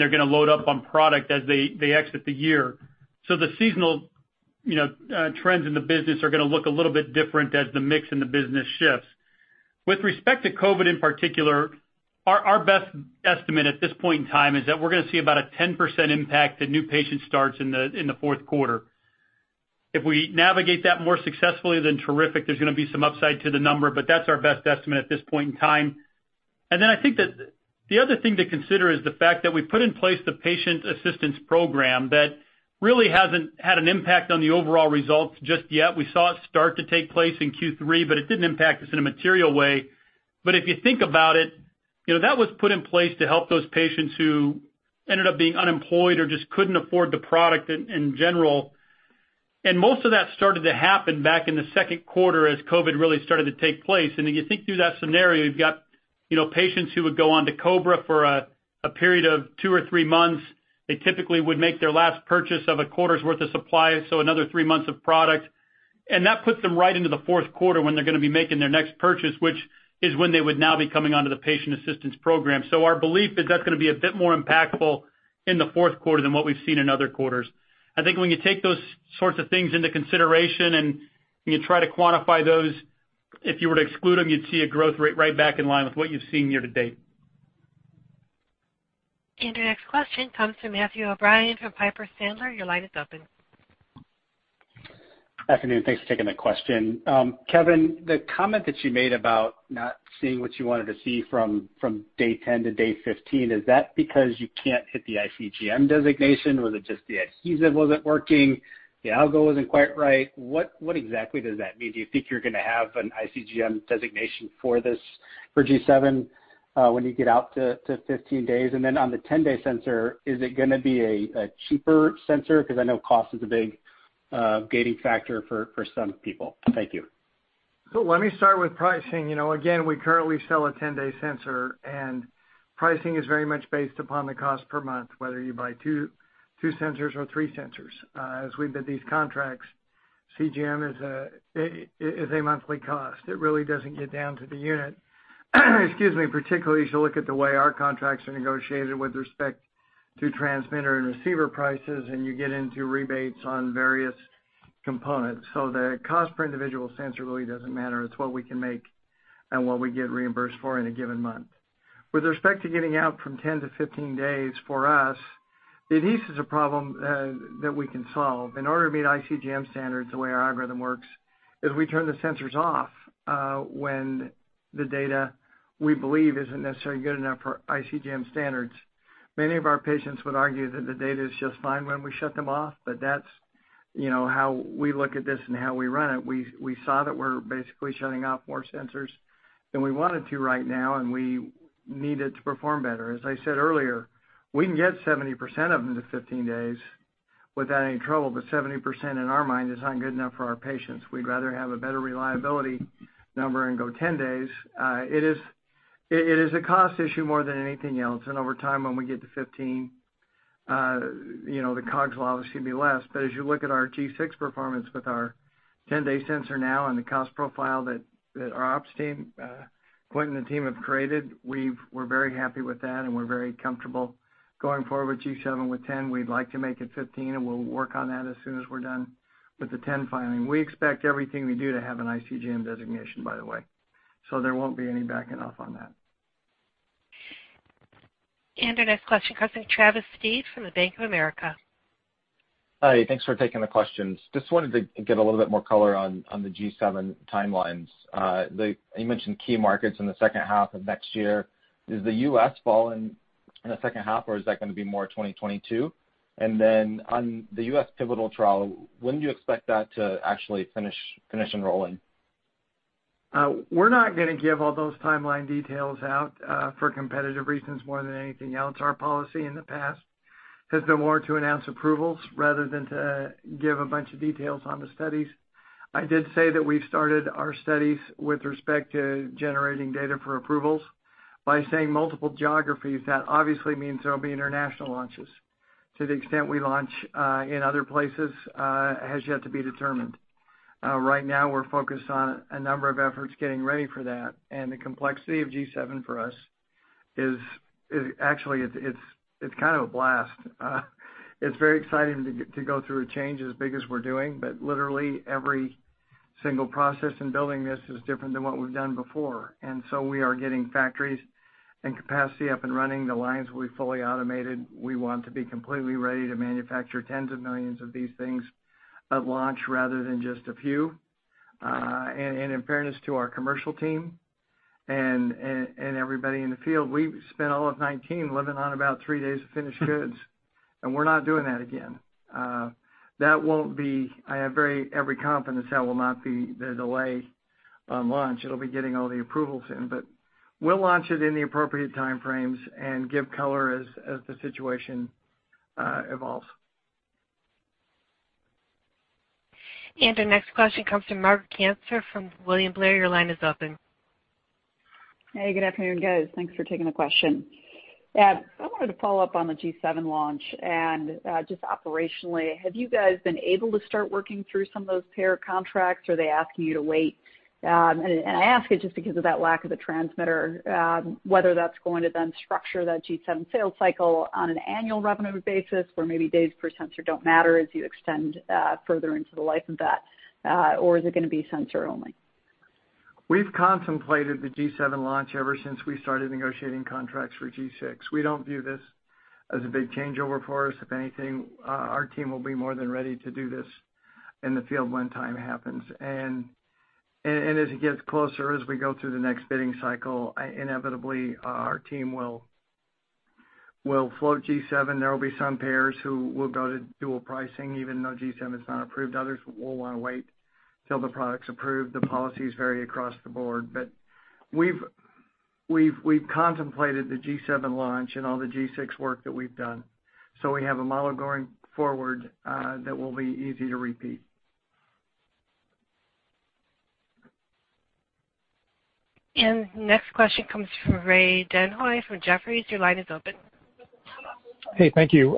Speaker 4: they're going to load up on product as they exit the year. The seasonal trends in the business are going to look a little bit different as the mix in the business shifts. With respect to COVID in particular, our best estimate at this point in time is that we're going to see about a 10% impact to new patient starts in the fourth quarter. If we navigate that more successfully, then terrific. There's going to be some upside to the number, but that's our best estimate at this point in time. I think that the other thing to consider is the fact that we put in place the patient assistance program that really hasn't had an impact on the overall results just yet. We saw it start to take place in Q3, but it didn't impact us in a material way. If you think about it, that was put in place to help those patients who ended up being unemployed or just couldn't afford the product in general. Most of that started to happen back in the second quarter as COVID really started to take place. If you think through that scenario, you've got patients who would go on to COBRA for a period of two or three months. They typically would make their last purchase of a quarter's worth of supply, so another three months of product. That puts them right into the fourth quarter when they're going to be making their next purchase, which is when they would now be coming onto the patient assistance program. Our belief is that's going to be a bit more impactful in the fourth quarter than what we've seen in other quarters. I think when you take those sorts of things into consideration and you try to quantify those, if you were to exclude them, you'd see a growth rate right back in line with what you've seen year to date.
Speaker 1: Our next question comes from Matthew O'Brien from Piper Sandler. Your line is open.
Speaker 12: Afternoon. Thanks for taking the question. Kevin, the comment that you made about not seeing what you wanted to see from day 10 to day 15, is that because you can't hit the iCGM designation? Was it just the adhesive wasn't working, the algo wasn't quite right? What exactly does that mean? Do you think you're going to have an iCGM designation for G7 when you get out to 15 days? On the 10-day sensor, is it going to be a cheaper sensor? I know cost is a big gating factor for some people. Thank you.
Speaker 3: Let me start with pricing. Again, we currently sell a 10-day sensor, and pricing is very much based upon the cost per month, whether you buy two sensors or three sensors. As we bid these contracts, CGM is a monthly cost. It really doesn't get down to the unit, particularly as you look at the way our contracts are negotiated with respect to transmitter and receiver prices, and you get into rebates on various components. The cost per individual sensor really doesn't matter. It's what we can make and what we get reimbursed for in a given month. With respect to getting out from 10 to 15 days for us, the adhesive problem that we can solve. In order to meet iCGM standards, the way our algorithm works is we turn the sensors off when the data we believe isn't necessarily good enough for iCGM standards. Many of our patients would argue that the data is just fine when we shut them off, but that's how we look at this and how we run it. We saw that we're basically shutting off more sensors than we wanted to right now. We need it to perform better. As I said earlier, we can get 70% of them to 15 days without any trouble. 70% in our mind is not good enough for our patients. We'd rather have a better reliability number and go 10 days. It is a cost issue more than anything else. Over time, when we get to 15, the COGS will obviously be less. As you look at our G6 performance with our 10-day sensor now and the cost profile that our ops team, Quentin and the team, have created, we're very happy with that, and we're very comfortable going forward with G7 with 10. We'd like to make it 15, and we'll work on that as soon as we're done with the 10 filing. We expect everything we do to have an ICGM designation, by the way. There won't be any backing off on that.
Speaker 1: Our next question comes from Travis Steed from the Bank of America.
Speaker 13: Hi, thanks for taking the questions. Just wanted to get a little bit more color on the G7 timelines. You mentioned key markets in the second half of next year. Is the U.S. fall in the second half, or is that going to be more 2022? Then on the U.S. pivotal trial, when do you expect that to actually finish enrolling?
Speaker 3: We're not going to give all those timeline details out for competitive reasons more than anything else. Our policy in the past has been more to announce approvals rather than to give a bunch of details on the studies. I did say that we've started our studies with respect to generating data for approvals. By saying multiple geographies, that obviously means there will be international launches. To the extent we launch in other places has yet to be determined. Right now we're focused on a number of efforts getting ready for that. The complexity of G7 for us is actually kind of a blast. It's very exciting to go through a change as big as we're doing. Literally every single process in building this is different than what we've done before. We are getting factories and capacity up and running. The lines will be fully automated. We want to be completely ready to manufacture tens of millions of these things at launch rather than just a few. In fairness to our commercial team and everybody in the field, we spent all of 2019 living on about three days of finished goods, and we're not doing that again. I have every confidence that will not be the delay on launch. It'll be getting all the approvals in. We'll launch it in the appropriate time frames and give color as the situation evolves.
Speaker 1: Our next question comes from Margaret Kaczor from William Blair. Your line is open.
Speaker 14: Hey, good afternoon, guys. Thanks for taking the question. I wanted to follow up on the G7 launch and just operationally, have you guys been able to start working through some of those payer contracts or are they asking you to wait? I ask it just because of that lack of the transmitter, whether that's going to then structure that G7 sales cycle on an annual revenue basis where maybe days per sensor don't matter as you extend further into the life of that. Or is it going to be sensor only?
Speaker 3: We've contemplated the G7 launch ever since we started negotiating contracts for G6. We don't view this as a big changeover for us. If anything, our team will be more than ready to do this in the field when time happens. As it gets closer, as we go through the next bidding cycle, inevitably, our team will float G7. There will be some payers who will go to dual pricing, even though G7 is not approved. Others will want to wait till the product's approved. The policies vary across the board. We've contemplated the G7 launch in all the G6 work that we've done. We have a model going forward that will be easy to repeat.
Speaker 1: Next question comes from Raj Denhoy from Jefferies. Your line is open.
Speaker 15: Hey, thank you.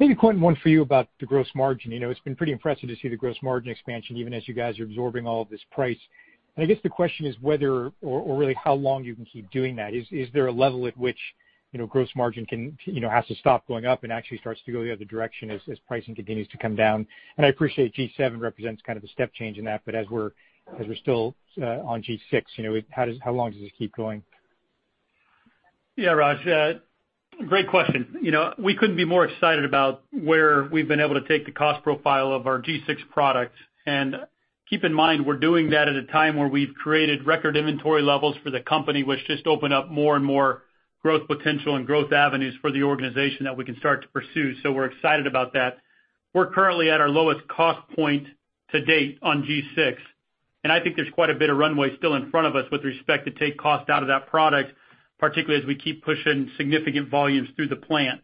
Speaker 15: Maybe Quentin, one for you about the gross margin. It's been pretty impressive to see the gross margin expansion even as you guys are absorbing all of this price. I guess the question is whether, or really how long you can keep doing that. Is there a level at which gross margin has to stop going up and actually starts to go the other direction as pricing continues to come down? I appreciate G7 represents kind of a step change in that, but as we're still on G6, how long does this keep going?
Speaker 4: Yeah, Raj, great question. We couldn't be more excited about where we've been able to take the cost profile of our G6 products. Keep in mind, we're doing that at a time where we've created record inventory levels for the company, which just open up more and more growth potential and growth avenues for the organization that we can start to pursue. We're excited about that. We're currently at our lowest cost point to date on G6, and I think there's quite a bit of runway still in front of us with respect to take cost out of that product, particularly as we keep pushing significant volumes through the plant.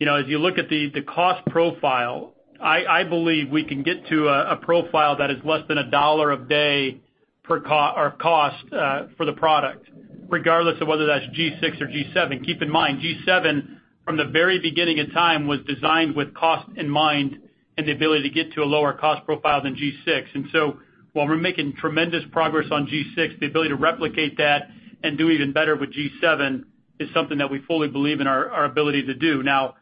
Speaker 4: As you look at the cost profile, I believe we can get to a profile that is less than $1 a day of cost for the product, regardless of whether that's G6 or G7. Keep in mind, G7, from the very beginning of time, was designed with cost in mind and the ability to get to a lower cost profile than G6. While we're making tremendous progress on G6, the ability to replicate that and do even better with G7 is something that we fully believe in our ability to do. Now,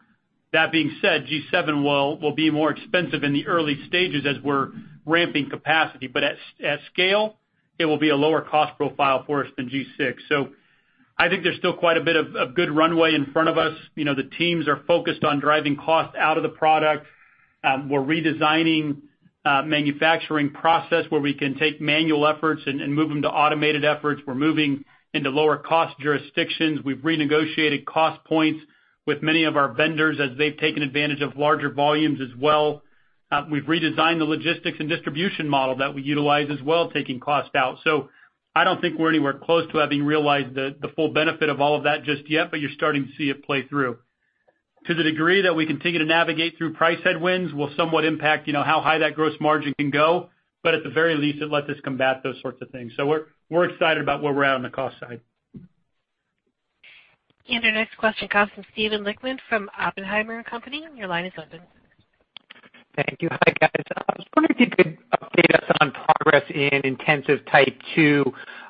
Speaker 4: that being said, G7 will be more expensive in the early stages as we're ramping capacity. At scale, it will be a lower cost profile for us than G6. I think there's still quite a bit of good runway in front of us. The teams are focused on driving cost out of the product. We're redesigning manufacturing process where we can take manual efforts and move them to automated efforts. We're moving into lower cost jurisdictions. We've renegotiated cost points with many of our vendors as they've taken advantage of larger volumes as well. We've redesigned the logistics and distribution model that we utilize as well, taking cost out. I don't think we're anywhere close to having realized the full benefit of all of that just yet, but you're starting to see it play through. To the degree that we continue to navigate through price headwinds will somewhat impact how high that gross margin can go. At the very least, it lets us combat those sorts of things. We're excited about where we're at on the cost side.
Speaker 1: Our next question comes from Steven Lichtman from Oppenheimer & Company. Your line is open.
Speaker 16: Thank you. Hi, guys. I was wondering if you could update us on progress in intensive type 2.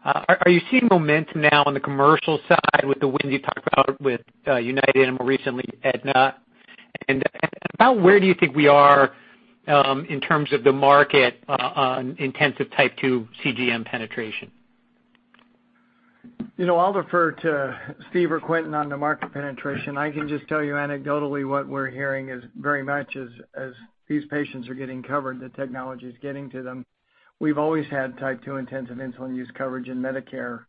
Speaker 16: Are you seeing momentum now on the commercial side with the wins you talked about with United and more recently Aetna? About where do you think we are in terms of the market on intensive type 2 CGM penetration?
Speaker 3: I'll defer to Steve or Quentin on the market penetration. I can just tell you anecdotally what we're hearing is very much as these patients are getting covered, the technology is getting to them. We've always had type 2 intensive insulin use coverage in Medicare.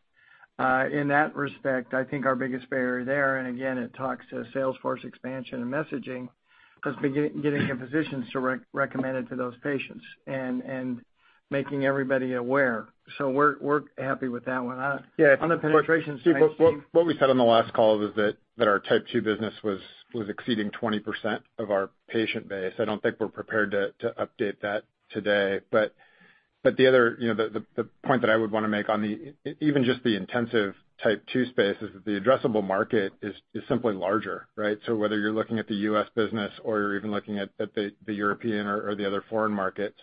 Speaker 3: In that respect, I think our biggest barrier there, again, it talks to sales force expansion and messaging, has been getting the physicians to recommend it to those patients and making everybody aware. We're happy with that one. On the penetrations side, Steve?
Speaker 5: What we said on the last call is that our type 2 business was exceeding 20% of our patient base. I don't think we're prepared to update that today. The point that I would want to make on even just the intensive type 2 space is that the addressable market is simply larger, right? Whether you're looking at the U.S. business or you're even looking at the European or the other foreign markets.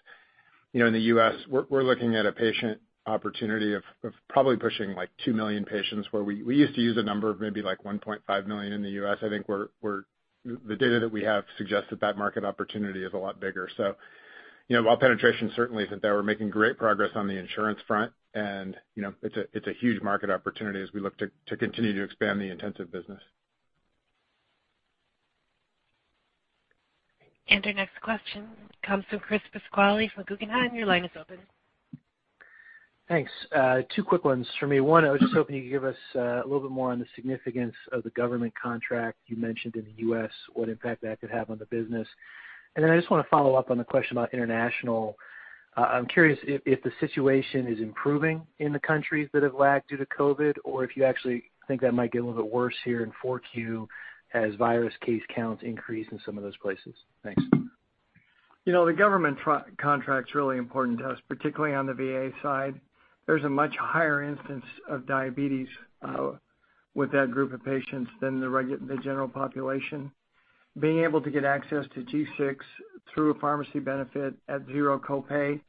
Speaker 5: In the U.S., we're looking at a patient opportunity of probably pushing 2 million patients where we used to use a number of maybe 1.5 million in the U.S. I think the data that we have suggests that market opportunity is a lot bigger. While penetration certainly isn't there, we're making great progress on the insurance front, and it's a huge market opportunity as we look to continue to expand the intensive business.
Speaker 1: Our next question comes from Chris Pasquale from Guggenheim. Your line is open.
Speaker 17: Thanks. Two quick ones from me. One, I was just hoping you could give us a little bit more on the significance of the government contract you mentioned in the U.S., what impact that could have on the business. I just want to follow up on the question about international. I'm curious if the situation is improving in the countries that have lagged due to COVID, or if you actually think that might get a little bit worse here in 4Q as virus case counts increase in some of those places. Thanks.
Speaker 3: The government contract's really important to us, particularly on the VA side. There's a much higher instance of diabetes with that group of patients than the general population. Being able to get access to G6 through a pharmacy benefit at zero copay,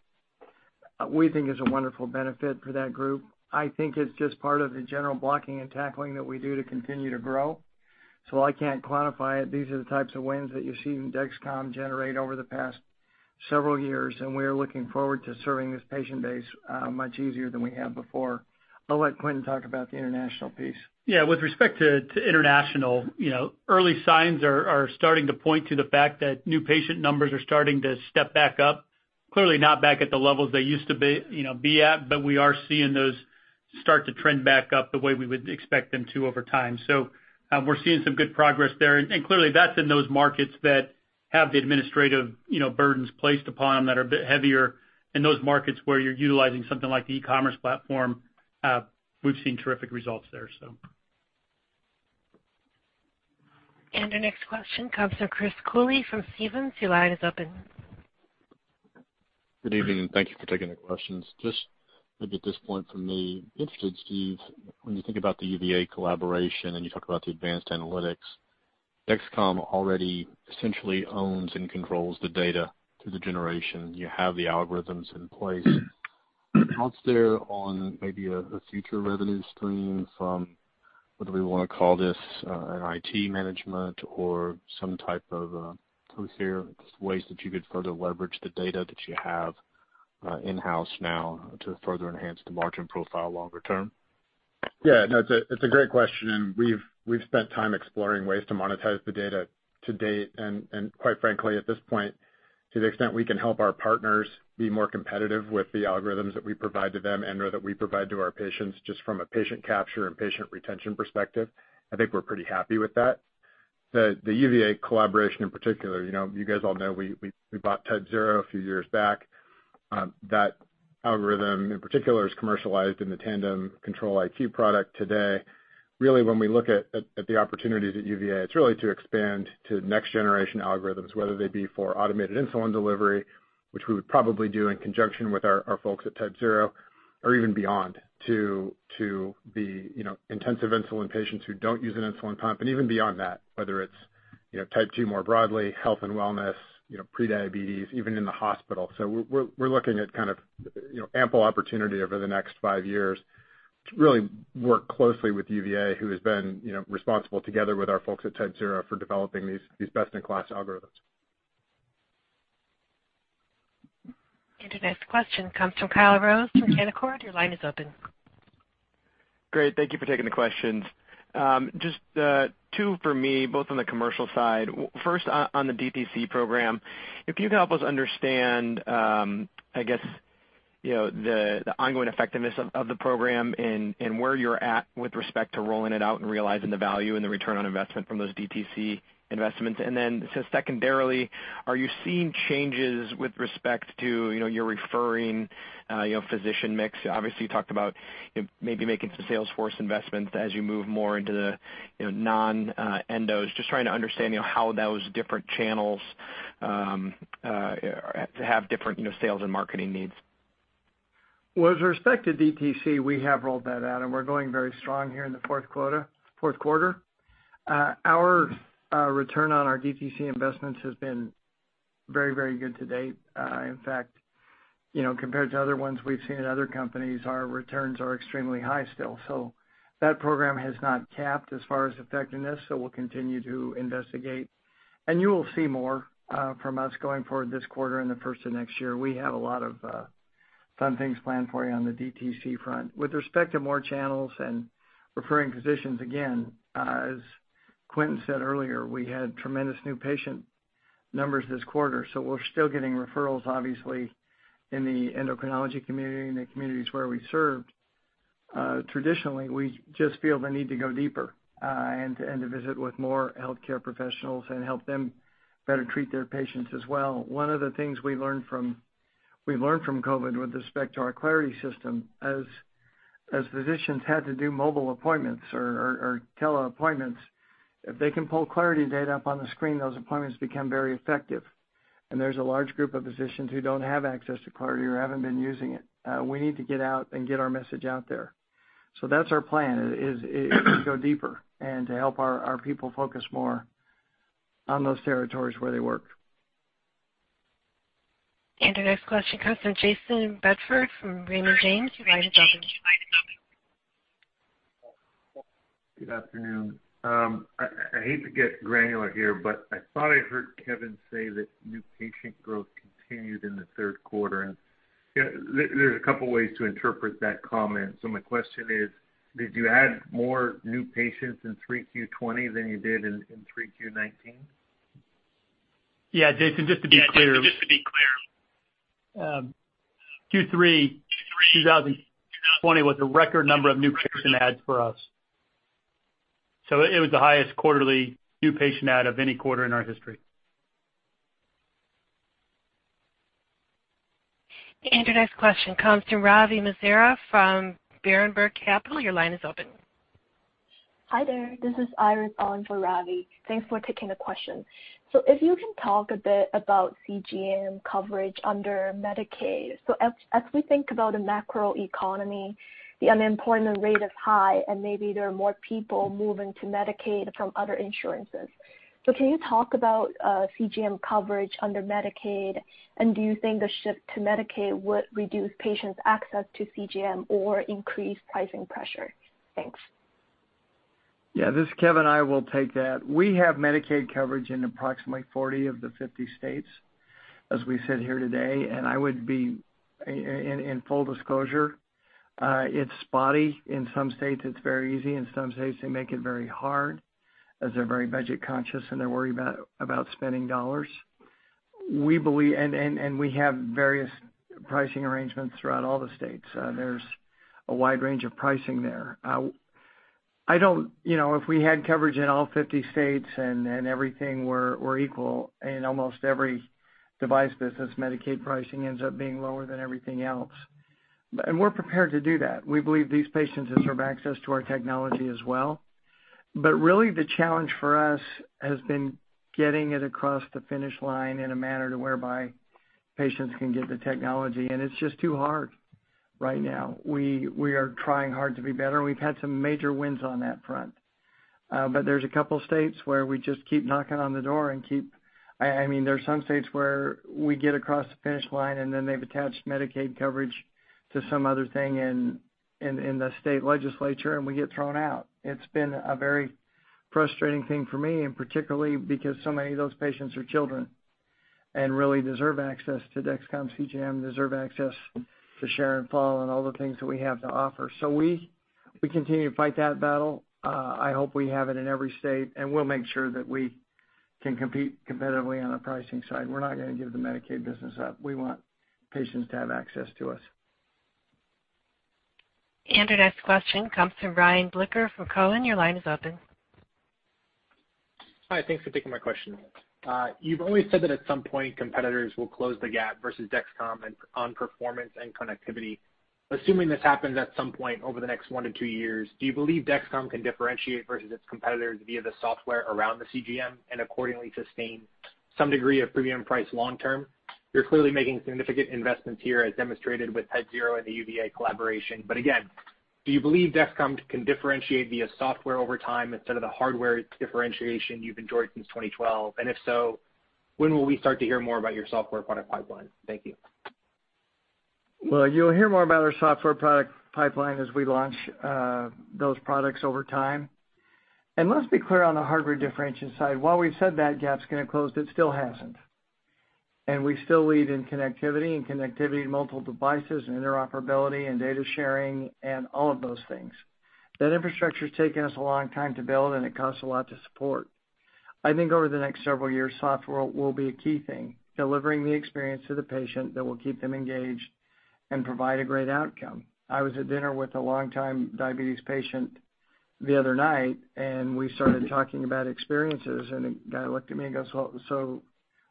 Speaker 3: we think is a wonderful benefit for that group. I think it's just part of the general blocking and tackling that we do to continue to grow. While I can't quantify it, these are the types of wins that you've seen Dexcom generate over the past several years, and we are looking forward to serving this patient base much easier than we have before. I'll let Quentin talk about the international piece.
Speaker 4: Yeah. With respect to international, early signs are starting to point to the fact that new patient numbers are starting to step back up. Clearly not back at the levels they used to be at, but we are seeing those start to trend back up the way we would expect them to over time. We're seeing some good progress there, and clearly that's in those markets that have the administrative burdens placed upon them that are a bit heavier in those markets where you're utilizing something like the e-commerce platform. We've seen terrific results there.
Speaker 1: Our next question comes from Chris Cooley from Stephens. Your line is open.
Speaker 18: Good evening, and thank you for taking the questions. Just maybe at this point from me, interested, Steve, when you think about the UVA collaboration and you talked about the advanced analytics, Dexcom already essentially owns and controls the data through the generation. You have the algorithms in place. Thoughts there on maybe a future revenue stream from whether we want to call this an IT management or some type of, I don't care, just ways that you could further leverage the data that you have in-house now to further enhance the margin profile longer term?
Speaker 5: No, it's a great question. We've spent time exploring ways to monetize the data to date. Quite frankly, at this point, to the extent we can help our partners be more competitive with the algorithms that we provide to them and/or that we provide to our patients just from a patient capture and patient retention perspective, I think we're pretty happy with that. The UVA collaboration in particular, you guys all know we bought TypeZero a few years back. That algorithm in particular is commercialized in the Tandem Control-IQ product today. Really when we look at the opportunities at UVA, it's really to expand to next generation algorithms, whether they be for automated insulin delivery, which we would probably do in conjunction with our folks at TypeZero, or even beyond to the intensive insulin patients who don't use an insulin pump. Even beyond that, whether it's type 2 more broadly, health and wellness, pre-diabetes, even in the hospital. We're looking at kind of ample opportunity over the next five years to really work closely with UVA, who has been responsible together with our folks at TypeZero for developing these best-in-class algorithms.
Speaker 1: Your next question comes from Kyle Rose from Canaccord. Your line is open.
Speaker 19: Great. Thank you for taking the questions. Just two for me, both on the commercial side. First, on the DTC program, if you could help us understand, I guess, the ongoing effectiveness of the program and where you're at with respect to rolling it out and realizing the value and the return on investment from those DTC investments. Secondarily, are you seeing changes with respect to your referring physician mix? Obviously, you talked about maybe making some sales force investments as you move more into the non-endos. Just trying to understand how those different channels have different sales and marketing needs.
Speaker 3: Well, with respect to DTC, we have rolled that out, and we're going very strong here in the fourth quarter. Our return on our DTC investments has been very good to date. In fact, compared to other ones we've seen at other companies, our returns are extremely high still. That program has not capped as far as effectiveness, so we'll continue to investigate. You will see more from us going forward this quarter and the first of next year. We have a lot of fun things planned for you on the DTC front. With respect to more channels and referring physicians, again, as Quentin said earlier, we had tremendous new patient numbers this quarter. We're still getting referrals, obviously, in the endocrinology community and the communities where we served. Traditionally, we just feel the need to go deeper, and to visit with more healthcare professionals and help them better treat their patients as well. One of the things we learned from COVID with respect to our Clarity system, as physicians had to do mobile appointments or tele appointments, if they can pull Clarity data up on the screen, those appointments become very effective. There's a large group of physicians who don't have access to Clarity or haven't been using it. We need to get out and get our message out there. That's our plan is to go deeper and to help our people focus more on those territories where they work.
Speaker 1: The next question comes from Jayson Bedford from Raymond James. Your line is open.
Speaker 20: Good afternoon. I hate to get granular here, I thought I heard Kevin say that new patient growth continued in the third quarter, and there's a couple ways to interpret that comment. My question is, did you add more new patients in 3Q 2020 than you did in 3Q 2019?
Speaker 4: Yeah, Jayson, just to be clear. Q3 2020 was a record number of new patient adds for us. It was the highest quarterly new patient add of any quarter in our history.
Speaker 1: Your next question comes from Ravi Misra from Berenberg Capital. Your line is open.
Speaker 21: Hi there. This is Iris on for Ravi. Thanks for taking the question. If you can talk a bit about CGM coverage under Medicaid. As we think about a macroeconomy, the unemployment rate is high, and maybe there are more people moving to Medicaid from other insurances. Can you talk about CGM coverage under Medicaid, and do you think the shift to Medicaid would reduce patients' access to CGM or increase pricing pressure? Thanks.
Speaker 3: Yeah, this is Kevin. I will take that. We have Medicaid coverage in approximately 40 of the 50 states as we sit here today, and I would be, in full disclosure, it's spotty. In some states it's very easy. In some states they make it very hard as they're very budget conscious, and they're worried about spending dollars. We have various pricing arrangements throughout all the states. There's a wide range of pricing there. If we had coverage in all 50 states and everything were equal, in almost every device business, Medicaid pricing ends up being lower than everything else. We're prepared to do that. We believe these patients deserve access to our technology as well. Really the challenge for us has been getting it across the finish line in a manner to whereby patients can get the technology, and it's just too hard right now. We are trying hard to be better, and we've had some major wins on that front. There's a couple states where we just keep knocking on the door. There's some states where we get across the finish line, and then they've attached Medicaid coverage to some other thing in the state legislature, and we get thrown out. It's been a very frustrating thing for me, and particularly because so many of those patients are children and really deserve access to Dexcom CGM, deserve access to Share and Follow, and all the things that we have to offer. We continue to fight that battle. I hope we have it in every state, and we'll make sure that we can compete competitively on the pricing side. We're not going to give the Medicaid business up. We want patients to have access to us.
Speaker 1: Our next question comes from Ryan Blicker from Cowen. Your line is open.
Speaker 22: Hi. Thanks for taking my question. You've always said that at some point, competitors will close the gap versus Dexcom on performance and connectivity. Assuming this happens at some point over the next one to two years, do you believe Dexcom can differentiate versus its competitors via the software around the CGM and accordingly sustain some degree of premium price long term? You're clearly making significant investments here as demonstrated with TypeZero and the UVA collaboration. Again, do you believe Dexcom can differentiate via software over time instead of the hardware differentiation you've enjoyed since 2012? If so, when will we start to hear more about your software product pipeline? Thank you.
Speaker 3: Well, you'll hear more about our software product pipeline as we launch those products over time. Let's be clear on the hardware differentiation side. While we've said that gap's going to close, it still hasn't. We still lead in connectivity and connectivity in multiple devices and interoperability and data sharing and all of those things. That infrastructure's taken us a long time to build, and it costs a lot to support. I think over the next several years, software will be a key thing, delivering the experience to the patient that will keep them engaged and provide a great outcome. I was at dinner with a long-time diabetes patient the other night, and we started talking about experiences, and the guy looked at me and goes, "Well, so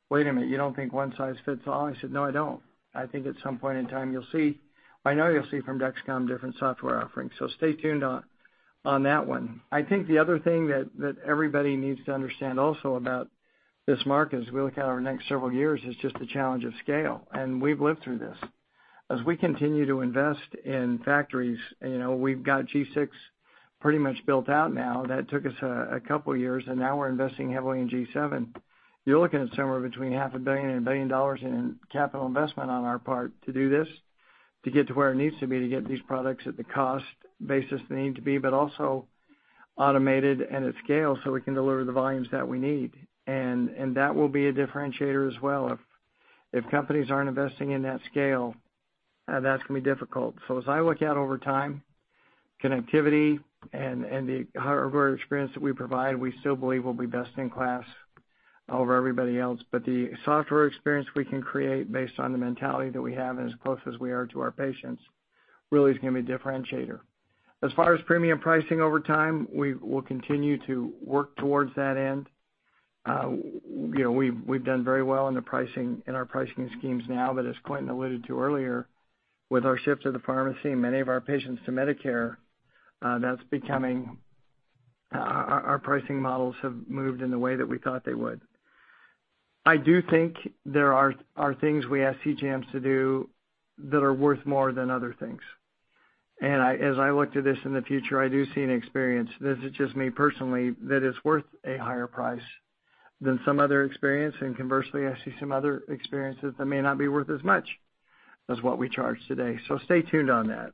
Speaker 3: wait a minute. You don't think one size fits all?" I said, "No, I don't." I think at some point in time you'll see. I know you'll see from Dexcom different software offerings. Stay tuned on that one. I think the other thing that everybody needs to understand also about this market as we look out over the next several years is just the challenge of scale. We've lived through this. As we continue to invest in factories, we've got G6 pretty much built out now. That took us a couple of years, and now we're investing heavily in G7. You're looking at somewhere between $500 million and $1 billion in capital investment on our part to do this, to get to where it needs to be to get these products at the cost basis they need to be, but also automated and at scale so we can deliver the volumes that we need. That will be a differentiator as well. If companies aren't investing in that scale, that's going to be difficult. As I look out over time, connectivity and the hardware experience that we provide, we still believe we'll be best in class over everybody else. The software experience we can create based on the mentality that we have and as close as we are to our patients really is going to be a differentiator. As far as premium pricing over time, we will continue to work towards that end. We've done very well in our pricing schemes now, but as Quentin alluded to earlier, with our shift to the pharmacy and many of our patients to Medicare, our pricing models have moved in the way that we thought they would. I do think there are things we ask CGMs to do that are worth more than other things. As I look to this in the future, I do see an experience, this is just me personally, that is worth a higher price than some other experience. Conversely, I see some other experiences that may not be worth as much as what we charge today. Stay tuned on that.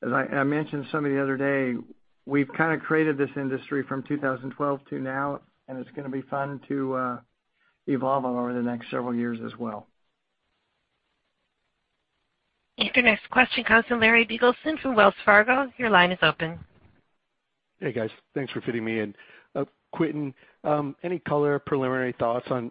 Speaker 3: As I mentioned to somebody the other day, we've kind of created this industry from 2012 to now, and it's going to be fun to evolve on over the next several years as well.
Speaker 1: Your next question comes from Larry Biegelsen from Wells Fargo. Your line is open.
Speaker 23: Hey, guys. Thanks for fitting me in. Quentin, any color or preliminary thoughts on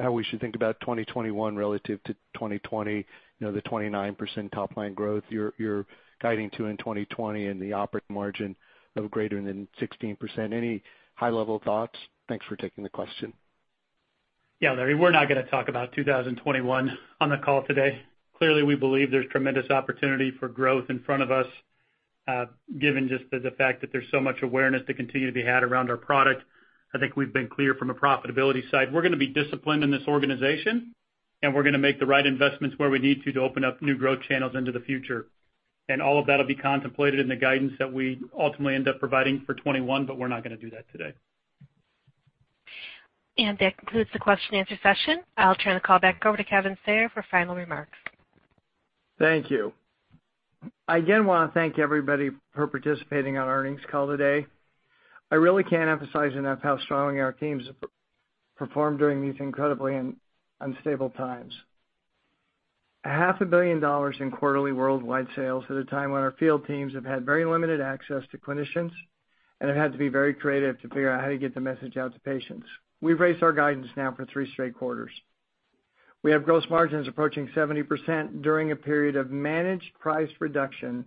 Speaker 23: how we should think about 2021 relative to 2020? The 29% top line growth you're guiding to in 2020 and the operating margin of greater than 16%. Any high-level thoughts? Thanks for taking the question.
Speaker 4: Larry, we're not going to talk about 2021 on the call today. Clearly, we believe there's tremendous opportunity for growth in front of us, given just the fact that there's so much awareness to continue to be had around our product. I think we've been clear from a profitability side. We're going to be disciplined in this organization, and we're going to make the right investments where we need to open up new growth channels into the future. All of that will be contemplated in the guidance that we ultimately end up providing for 2021, but we're not going to do that today.
Speaker 1: That concludes the question and answer session. I'll turn the call back over to Kevin Sayer for final remarks.
Speaker 3: Thank you. I again want to thank everybody for participating on our earnings call today. I really can't emphasize enough how strongly our teams have performed during these incredibly unstable times. A half a billion dollars in quarterly worldwide sales at a time when our field teams have had very limited access to clinicians, and have had to be very creative to figure out how to get the message out to patients. We've raised our guidance now for three straight quarters. We have gross margins approaching 70% during a period of managed price reduction,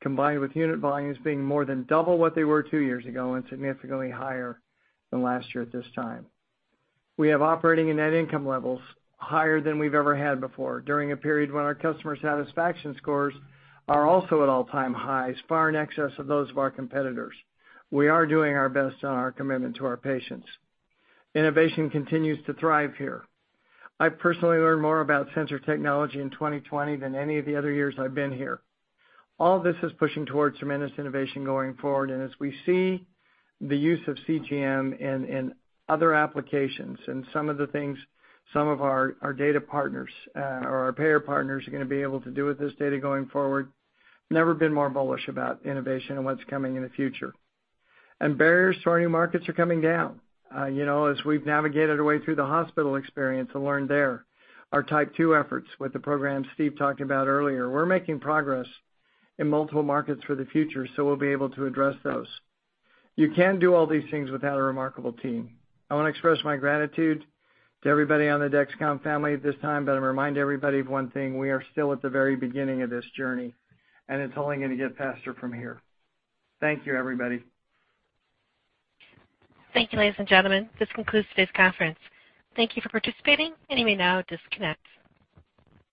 Speaker 3: combined with unit volumes being more than double what they were two years ago, and significantly higher than last year at this time. We have operating and net income levels higher than we've ever had before, during a period when our customer satisfaction scores are also at all-time highs, far in excess of those of our competitors. We are doing our best on our commitment to our patients. Innovation continues to thrive here. I personally learned more about sensor technology in 2020 than any of the other years I've been here. All this is pushing towards tremendous innovation going forward, and as we see the use of CGM in other applications, and some of the things some of our data partners, or our payer partners, are going to be able to do with this data going forward, never been more bullish about innovation and what's coming in the future. Barriers to our new markets are coming down. As we've navigated our way through the hospital experience and learned there, our type 2 efforts with the programs Steve talked about earlier, we're making progress in multiple markets for the future. We'll be able to address those. You can't do all these things without a remarkable team. I want to express my gratitude to everybody on the Dexcom family at this time. I'm going to remind everybody of one thing. We are still at the very beginning of this journey. It's only going to get faster from here. Thank you, everybody.
Speaker 1: Thank you, ladies and gentlemen. This concludes today's conference. Thank you for participating, and you may now disconnect.